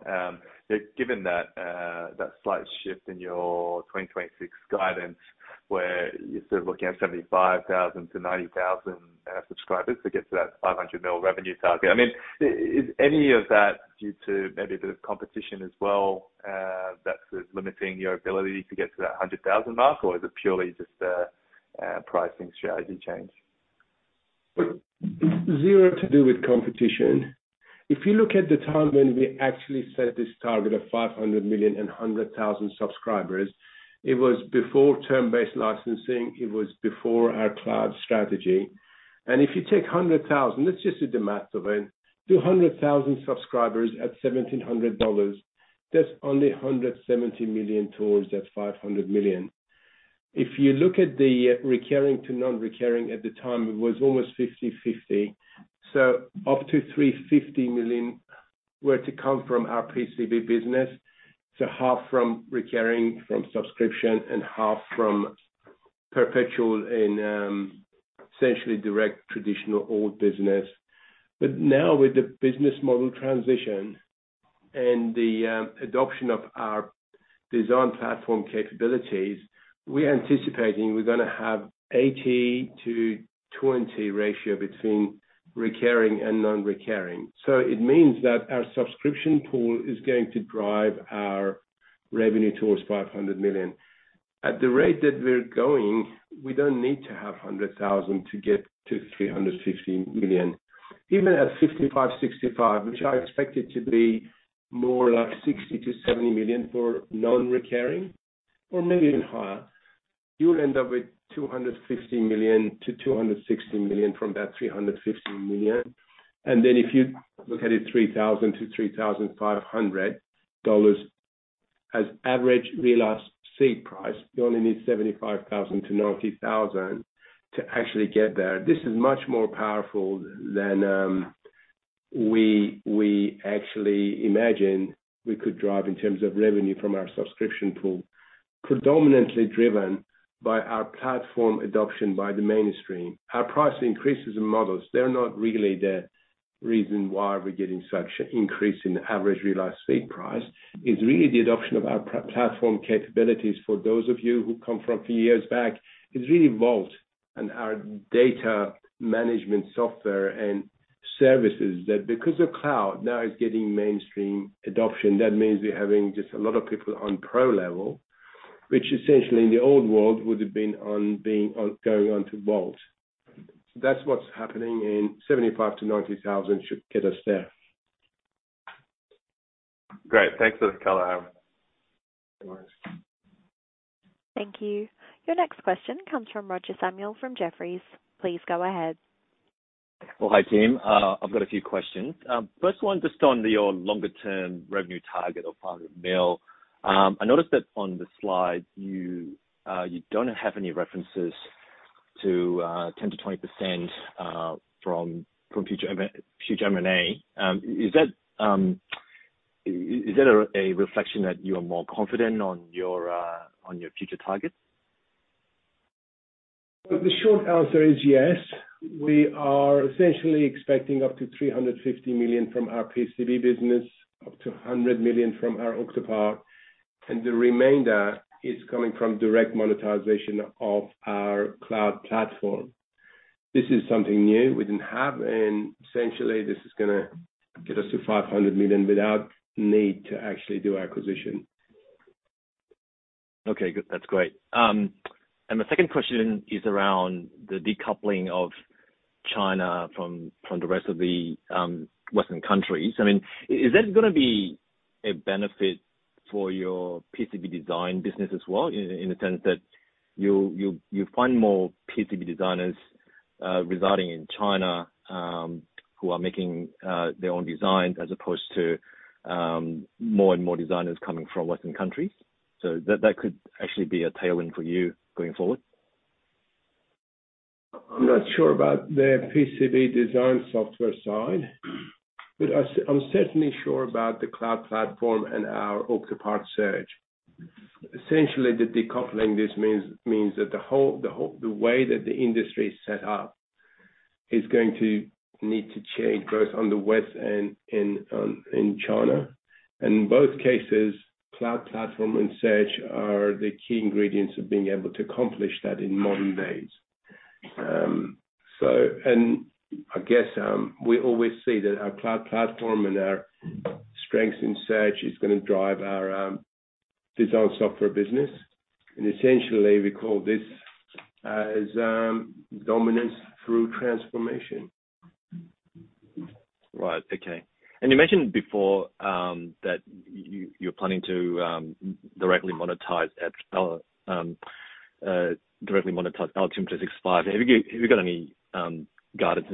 Given that slight shift in your 2026 guidance, where you're sort of looking at 75,000-90,000 subscribers to get to that $500 million revenue target. I mean, is any of that due to maybe the competition as well that is limiting your ability to get to that 100,000 mark? Or is it purely just a pricing strategy change? Zero to do with competition. If you look at the time when we actually set this target of $500 million and 100,000 subscribers, it was before term-based licensing, it was before our cloud strategy. If you take 100,000, let's just do the math of it. 200,000 subscribers at $1,700, that's only $170 million towards that $500 million. If you look at the recurring to non-recurring at the time, it was almost 50-50, so up to $350 million were to come from our PCB business. Half from recurring from subscription and half from perpetual and, essentially direct traditional old business. Now with the business model transition and the adoption of our design platform capabilities, we're anticipating we're gonna have 80-20 ratio between recurring and non-recurring. It means that our subscription pool is going to drive our revenue towards $500 million. At the rate that we're going, we don't need to have 100,000 to get to $350 million. Even at 65, which I expect it to be more like $60-$70 million for non-recurring or maybe even higher, you'll end up with $250 million-$260 million from that $350 million. If you look at it, $3,000-$3,500 as average realized seat price, you only need 75,000-90,000 to actually get there. This is much more powerful than we actually imagined we could drive in terms of revenue from our subscription pool. Predominantly driven by our platform adoption by the mainstream. Our price increases and models, they're not really the reason why we're getting such increase in average realized seat price. It's really the adoption of our platform capabilities. For those of you who come from a few years back, it's really Vault and our data management software and services that because of cloud, now it's getting mainstream adoption. That means we're having just a lot of people on pro level, which essentially in the old world would have been on going on to Vault. That's what's happening, and 75,000-90,000 should get us there. Great. Thanks for the color. No worries. Thank you. Your next question comes from Roger Samuel from Jefferies. Please go ahead. Well, hi, team. I've got a few questions. First one, just on your longer-term revenue target of $500 million. I noticed that on the slide, you don't have any references to 10%-20% from future M&A. Is that a reflection that you are more confident on your future targets? The short answer is yes. We are essentially expecting up to $350 million from our PCB business, up to $100 million from our Octopart, and the remainder is coming from direct monetization of our cloud platform. This is something new we didn't have, and essentially this is gonna get us to $500 million without need to actually do acquisition. Okay, good. That's great. And the second question is around the decoupling of China from the rest of the Western countries. I mean, is that gonna be a benefit for your PCB design business as well in the sense that you'll find more PCB designers residing in China who are making their own designs as opposed to more and more designers coming from Western countries? That could actually be a tailwind for you going forward. I'm not sure about the PCB design software side, but I'm certainly sure about the cloud platform and our Octopart search. Essentially, the decoupling this means that the whole way that the industry is set up is going to need to change both on the West and in China. In both cases, cloud platform and search are the key ingredients of being able to accomplish that in modern days. I guess we always see that our cloud platform and our strengths in search is gonna drive our design software business, and essentially we call this as dominance through transformation. Right. Okay. You mentioned before that you're planning to directly monetize Altium 365. Have you got any guidance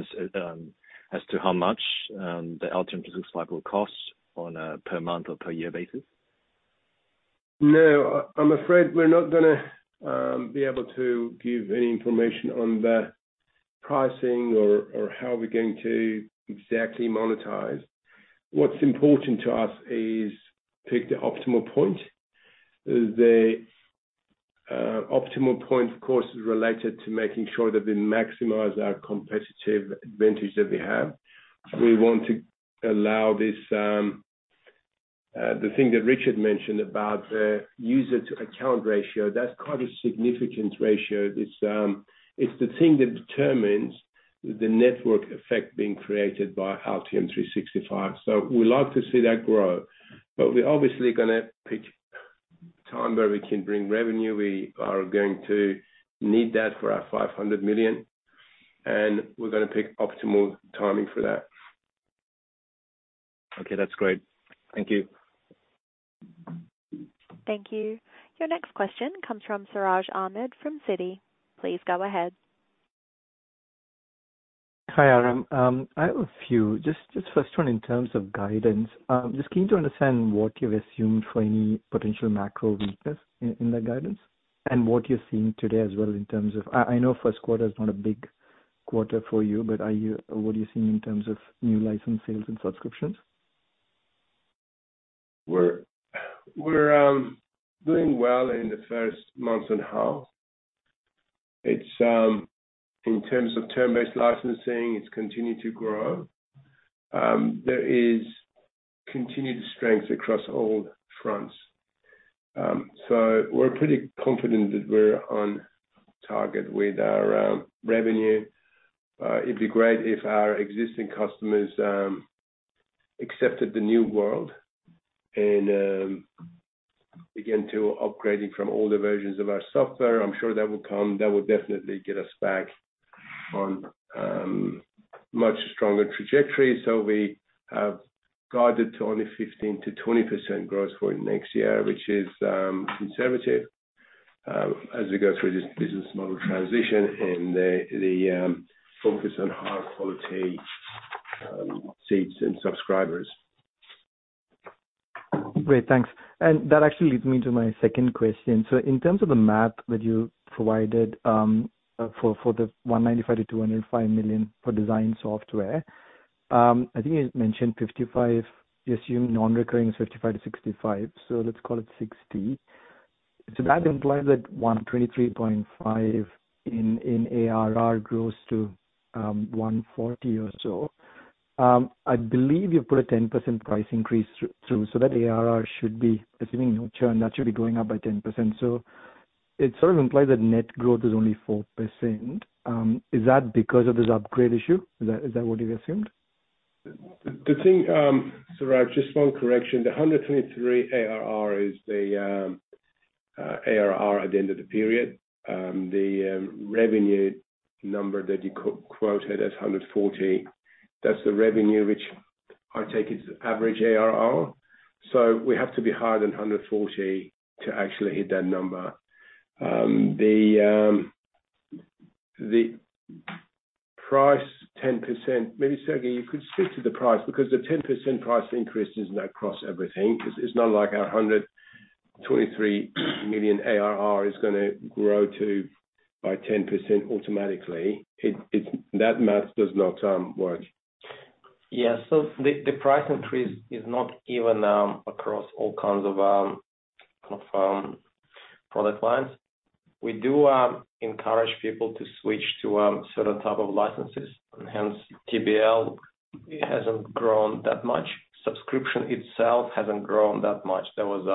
as to how much the Altium 365 will cost on a per month or per year basis? No. I'm afraid we're not gonna be able to give any information on the pricing or how we're going to exactly monetize. What's important to us is pick the optimal point. The optimal point, of course, is related to making sure that we maximize our competitive advantage that we have. We want to allow this, the thing that Richard mentioned about the user-to-account ratio, that's quite a significant ratio. This, it's the thing that determines the network effect being created by Altium 365. We like to see that grow, but we're obviously gonna pick time where we can bring revenue. We are going to need that for our $500 million, and we're gonna pick optimal timing for that. Okay, that's great. Thank you. Thank you. Your next question comes from Siraj Ahmed from Citi. Please go ahead. Hi, Aram. I have a few. Just first one in terms of guidance. Just keen to understand what you've assumed for any potential macro weakness in that guidance and what you're seeing today as well in terms of, I know first quarter is not a big quarter for you, but what are you seeing in terms of new license sales and subscriptions? We're doing well in the first month and half. It's in terms of term-based licensing, it's continued to grow. There is continued strength across all fronts. We're pretty confident that we're on target with our revenue. It'd be great if our existing customers accepted the new world and begin to upgrading from older versions of our software. I'm sure that will come. That will definitely get us back on much stronger trajectory. We have guided to only 15%-20% growth for next year, which is conservative as we go through this business model transition and the focus on high quality seats and subscribers. Great. Thanks. That actually leads me to my second question. In terms of the math that you provided, for the $195-$205 million for design software, I think you mentioned 55, you assume non-recurring is $55-$65 million, let's call it 60. That implies that $123.5 million in ARR grows to $140 million or so. I believe you put a 10% price increase through, so that ARR should be assuming no churn, that should be going up by 10%. It sort of implies that net growth is only 4%. Is that because of this upgrade issue? Is that what you've assumed? The thing, Siraj, just one correction. The 123 ARR is the ARR at the end of the period. The revenue number that you quoted as 140, that's the revenue which I take is average ARR. We have to be higher than 140 to actually hit that number. The price 10%. Maybe, Sergey, you could speak to the price because the 10% price increase is not across everything. It's, it's not like our 123 million ARR is gonna grow to by 10% automatically. It, it's that math does not work. Yeah. The price increase is not even across all kinds of kind of product lines. We encourage people to switch to certain type of licenses, and hence TBL hasn't grown that much. Subscription itself hasn't grown that much. There was,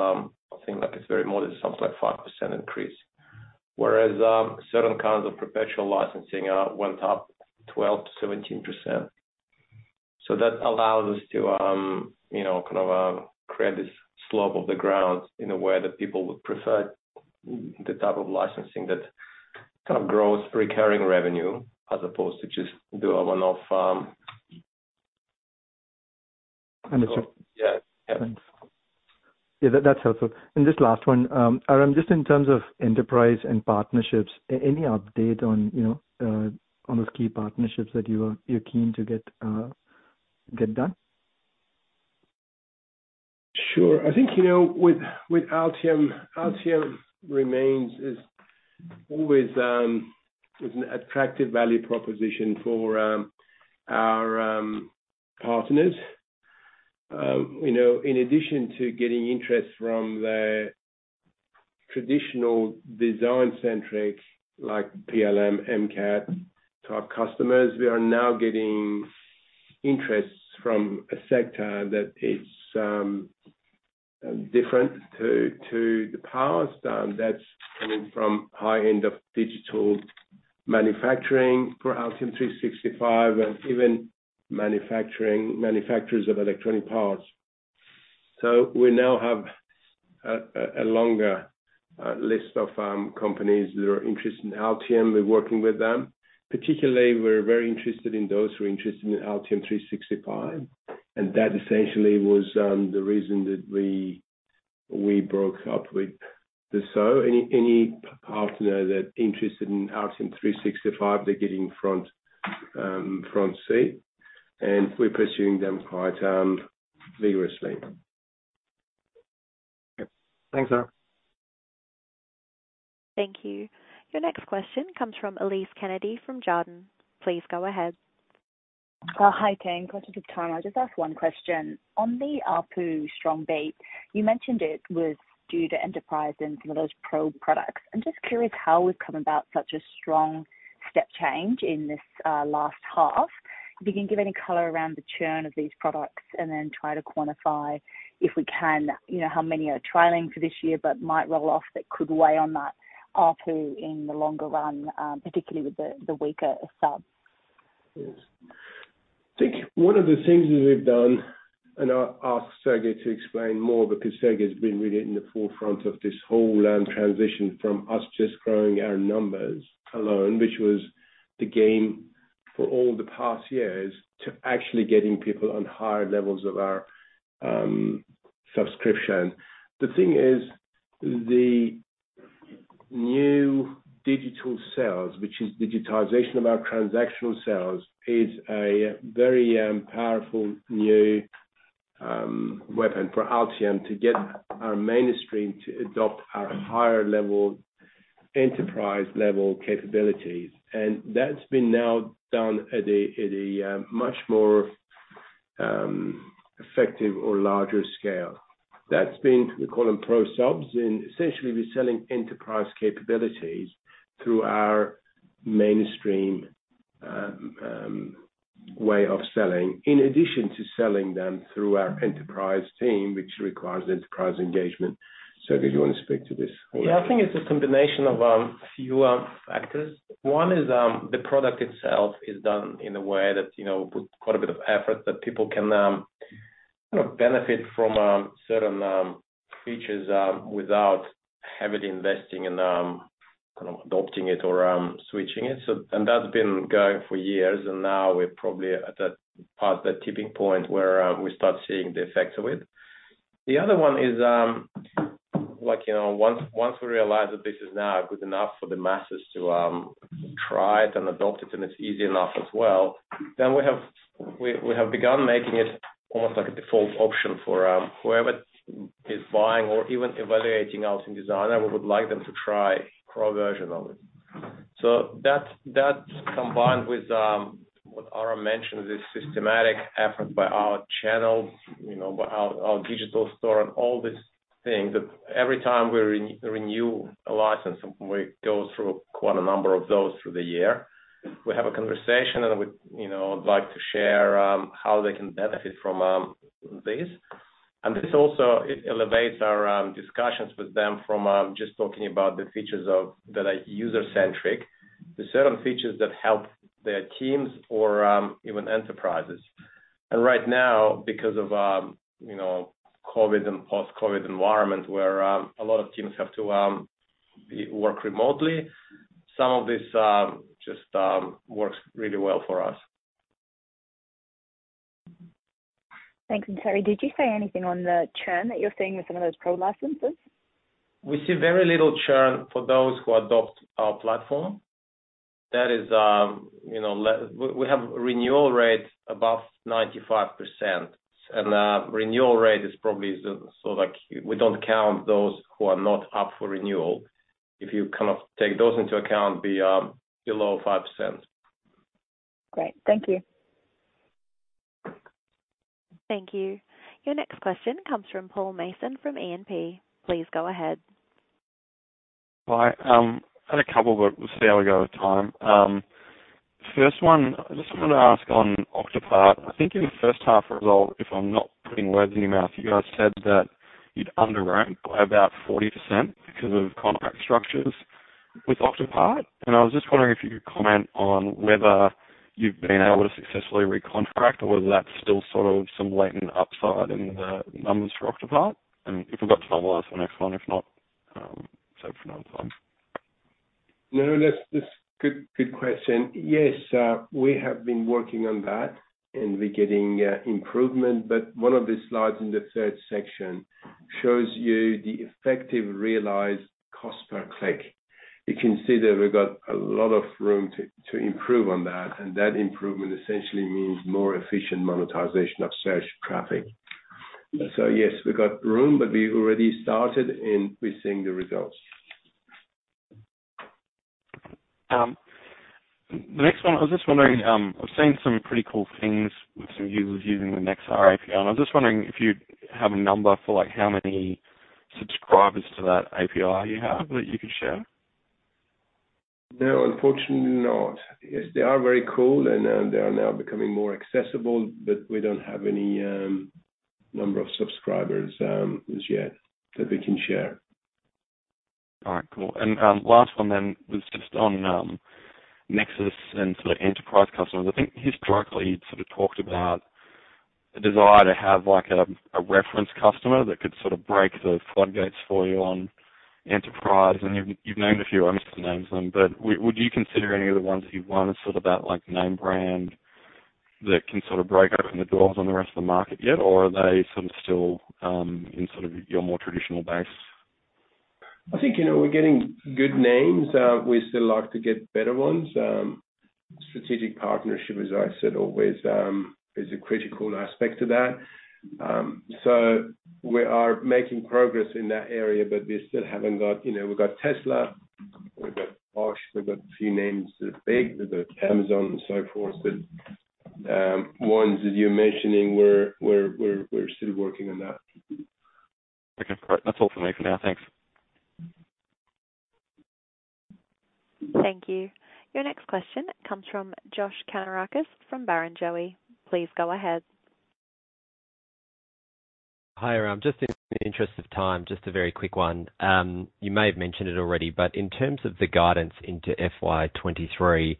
I think like a very modest, something like 5% increase. Whereas, certain kinds of perpetual licensing went up 12%-17%. That allows us to, you know, kind of, create this slope of the ground in a way that people would prefer the type of licensing that kind of grows recurring revenue as opposed to just do a one-off, Understood. Yeah. Yeah. Thanks. Yeah, that's helpful. Just last one. Aram, just in terms of enterprise and partnerships, any update on, you know, on those key partnerships that you're keen to get done? Sure. I think, you know, with Altium remains always an attractive value proposition for our partners. You know, in addition to getting interest from the traditional design centric like PLM, MCAD type customers, we are now getting interests from a sector that it's different to the past, that's coming from high end of digital manufacturing for Altium 365 and even manufacturers of electronic parts. We now have a longer list of companies that are interested in Altium. We're working with them. Particularly, we're very interested in those who are interested in Altium 365, and that essentially was the reason that we broke up with those. Any partner that interested in Altium 365, they're getting front seat, and we're pursuing them quite vigorously. Yep. Thanks, Aram. Thank you. Your next question comes from Elise Kennedy from Jarden. Please go ahead. Hi, team. Because of time, I'll just ask one question. On the ARPU strong beat, you mentioned it was due to enterprise and some of those Pro products. I'm just curious how we've come about such a strong step change in this last half. If you can give any color around the churn of these products and then try to quantify, if we can, you know, how many are trailing for this year but might roll off that could weigh on that ARPU in the longer run, particularly with the weaker subs. Yes. I think one of the things that we've done, and I'll ask Sergey to explain more because Sergey has been really in the forefront of this whole land transition from us just growing our numbers alone, which was the game for all the past years, to actually getting people on higher levels of our subscription. The thing is, the new digital sales, which is digitization of our transactional sales, is a very powerful new weapon for Altium to get our mainstream to adopt our higher level enterprise level capabilities. That's been now done at a much more effective or larger scale. That's been, we call them ProSubs, and essentially we're selling enterprise capabilities through our mainstream way of selling, in addition to selling them through our enterprise team, which requires enterprise engagement. Sergey, do you wanna speak to this whole- Yeah. I think it's a combination of few factors. One is, the product itself is done in a way that, you know, with quite a bit of effort that people can, kind of benefit from, certain, features, without heavily investing and, kind of adopting it or, switching it. That's been going for years, and now we're probably at that part, that tipping point where, we start seeing the effects of it. The other one is, like, you know, once we realize that this is now good enough for the masses to try it and adopt it, and it's easy enough as well, then we have begun making it almost like a default option for whoever is buying or even evaluating Altium Designer. We would like them to try Pro version of it. So that's that combined with what Aram mentioned, this systematic effort by our channels, you know, by our digital store and all these things, that every time we renew a license, and we go through quite a number of those through the year, we have a conversation, and we'd, you know, like to share how they can benefit from this. This also it elevates our discussions with them from just talking about the features that are user-centric to certain features that help their teams or even enterprises. Right now, because of you know, COVID and post-COVID environment where a lot of teams have to work remotely, some of this just works really well for us. Thanks. Sergey, did you say anything on the churn that you're seeing with some of those Pro licenses? We see very little churn for those who adopt our platform. That is, you know, we have renewal rate above 95%. Renewal rate is probably the. So, like, we don't count those who are not up for renewal. If you kind of take those into account, below 5%. Great. Thank you. Thank you. Your next question comes from Paul Mason from AMP. Please go ahead. Hi. I had a couple, but we'll see how we go with time. First one, I just wanted to ask on Octopart. I think in the first half result, if I'm not putting words in your mouth, you guys said that you'd underrate by about 40% because of contract structures with Octopart. I was just wondering if you could comment on whether you've been able to successfully recontract or whether that's still sort of some latent upside in the numbers for Octopart. If we've got time, I'll ask my next one. If not, save it for another time. No, that's good question. Yes, we have been working on that, and we're getting improvement. One of the slides in the third section shows you the effective realized cost per click. You can see that we've got a lot of room to improve on that, and that improvement essentially means more efficient monetization of search traffic. Yes, we've got room, but we already started and we're seeing the results. The next one, I was just wondering, I've seen some pretty cool things with some users using the Nexar API, and I'm just wondering if you have a number for like how many subscribers to that API you have that you can share? No, unfortunately not. Yes, they are very cool and they are now becoming more accessible, but we don't have any number of subscribers as yet that we can share. All right, cool. Last one then was just on NEXUS and sort of enterprise customers. I think historically you'd sort of talked about a desire to have like a reference customer that could sort of break the floodgates for you on enterprise. I mean, you've named a few, I won't mention names then, but would you consider any of the ones that you've won as sort of that like name brand that can sort of break open the doors on the rest of the market yet? Or are they sort of still in sort of your more traditional base? I think, you know, we're getting good names. We still like to get better ones. Strategic partnership, as I said, always, is a critical aspect to that. We are making progress in that area, but we still haven't got. You know, we've got Tesla, we've got Bosch, we've got a few names that are big. We've got Amazon and so forth, but, ones that you're mentioning, we're still working on that. Okay, great. That's all for me for now. Thanks. Thank you. Your next question comes from Josh Kanterakis from Barrenjoey. Please go ahead. Hi, Aram. Just in the interest of time, just a very quick one. You may have mentioned it already, but in terms of the guidance into FY 2023,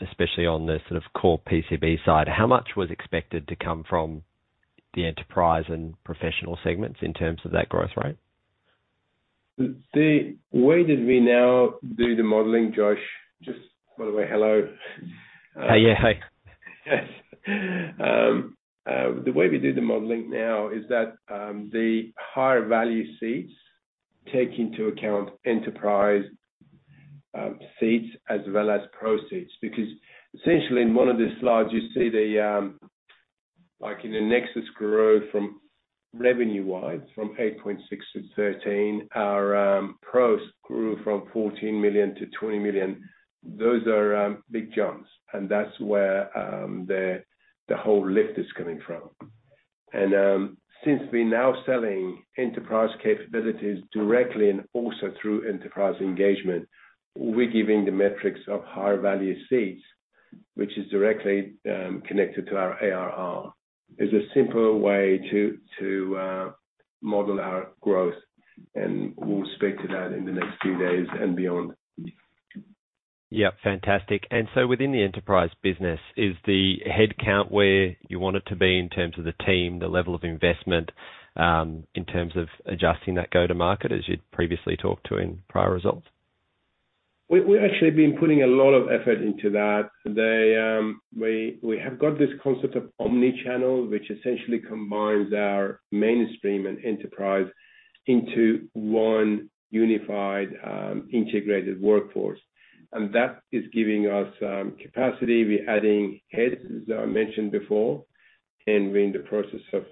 especially on the sort of core PCB side, how much was expected to come from the enterprise and professional segments in terms of that growth rate? The way that we now do the modeling, Josh. Just by the way, hello. Yeah. Hi. The way we do the modeling now is that the higher value seats take into account enterprise seats as well as Pro seats. Because essentially in one of the slides you see the like in the NEXUS growth from revenue-wise, from $8.6 million to $13 million, our pros grew from $14 million to $20 million. Those are big jumps, and that's where the whole lift is coming from. Since we're now selling enterprise capabilities directly and also through enterprise engagement, we're giving the metrics of higher value seats, which is directly connected to our ARR. It is a simpler way to model our growth, and we'll speak to that in the next few days and beyond. Yeah, fantastic. Within the enterprise business, is the headcount where you want it to be in terms of the team, the level of investment, in terms of adjusting that go to market as you'd previously talked to in prior results? We've actually been putting a lot of effort into that. We have got this concept of omnichannel, which essentially combines our mainstream and enterprise into one unified, integrated workforce. That is giving us capacity. We're adding heads, as I mentioned before, and we're in the process of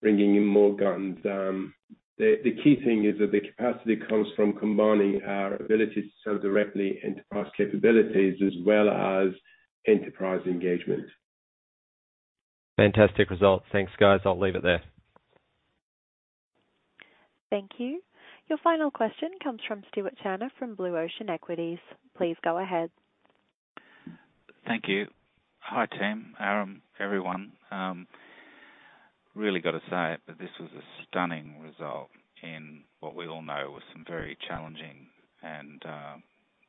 bringing in more guns. The key thing is that the capacity comes from combining our ability to sell directly enterprise capabilities as well as enterprise engagement. Fantastic results. Thanks, guys. I'll leave it there. Thank you. Your final question comes from Stuart Tanner from Blue Ocean Equities. Please go ahead. Thank you. Hi, team, Aram, everyone. Really got to say it, that this was a stunning result in what we all know was some very challenging and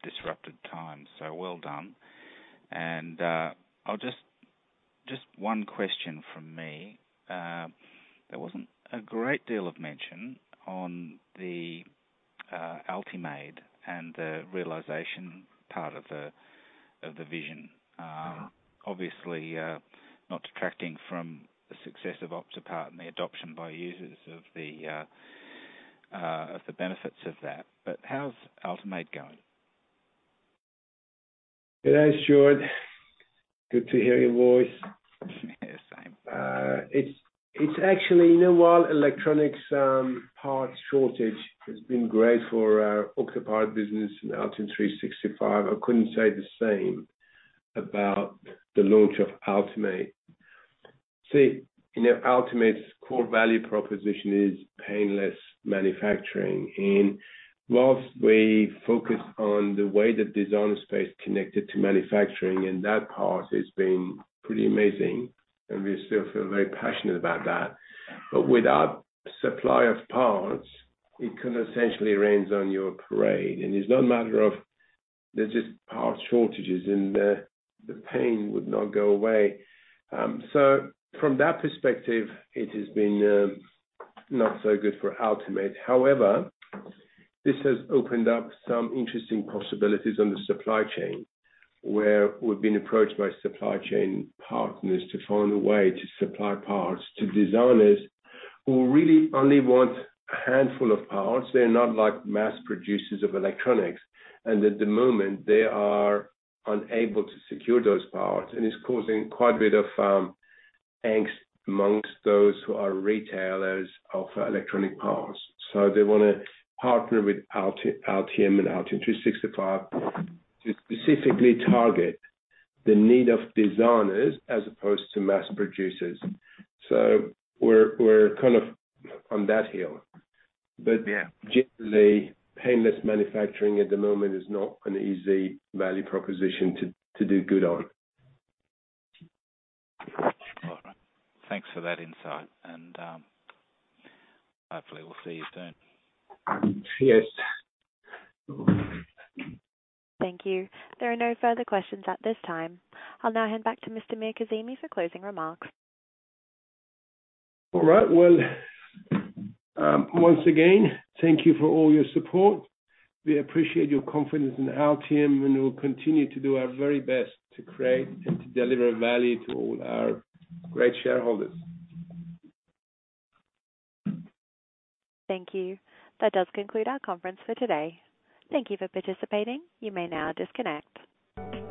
disrupted times. Well done. Just one question from me. There wasn't a great deal of mention on the Altimade and the realization part of the vision. Obviously, not detracting from the success of Octopart and the adoption by users of the benefits of that. How's Altimade going? Good day, Stuart. Good to hear your voice. Yeah, same. It's actually, you know, while electronics parts shortage has been great for our Octopart business and Altium 365, I couldn't say the same about the launch of Altimade. See, you know, Altimade's core value proposition is painless manufacturing. While we focus on the way the design space connected to manufacturing and that part has been pretty amazing and we still feel very passionate about that. Without supply of parts, it kind of essentially rains on your parade. It's not a matter of there's just parts shortages and the pain would not go away. From that perspective, it has been not so good for Altimade. However, this has opened up some interesting possibilities on the supply chain, where we've been approached by supply chain partners to find a way to supply parts to designers who really only want a handful of parts. They're not like mass producers of electronics. At the moment they are unable to secure those parts, and it's causing quite a bit of angst amongst those who are retailers of electronic parts. They wanna partner with Altium and Altium 365 to specifically target the need of designers as opposed to mass producers. We're kind of on that hill. Yeah. Generally, painless manufacturing at the moment is not an easy value proposition to do good on. All right. Thanks for that insight and, hopefully we'll see you soon. Yes. Thank you. There are no further questions at this time. I'll now hand back to Mr. Mirkazemi for closing remarks. All right. Well, once again, thank you for all your support. We appreciate your confidence in Altium, and we'll continue to do our very best to create and to deliver value to all our great shareholders. Thank you. That does conclude our conference for today. Thank you for participating. You may now disconnect.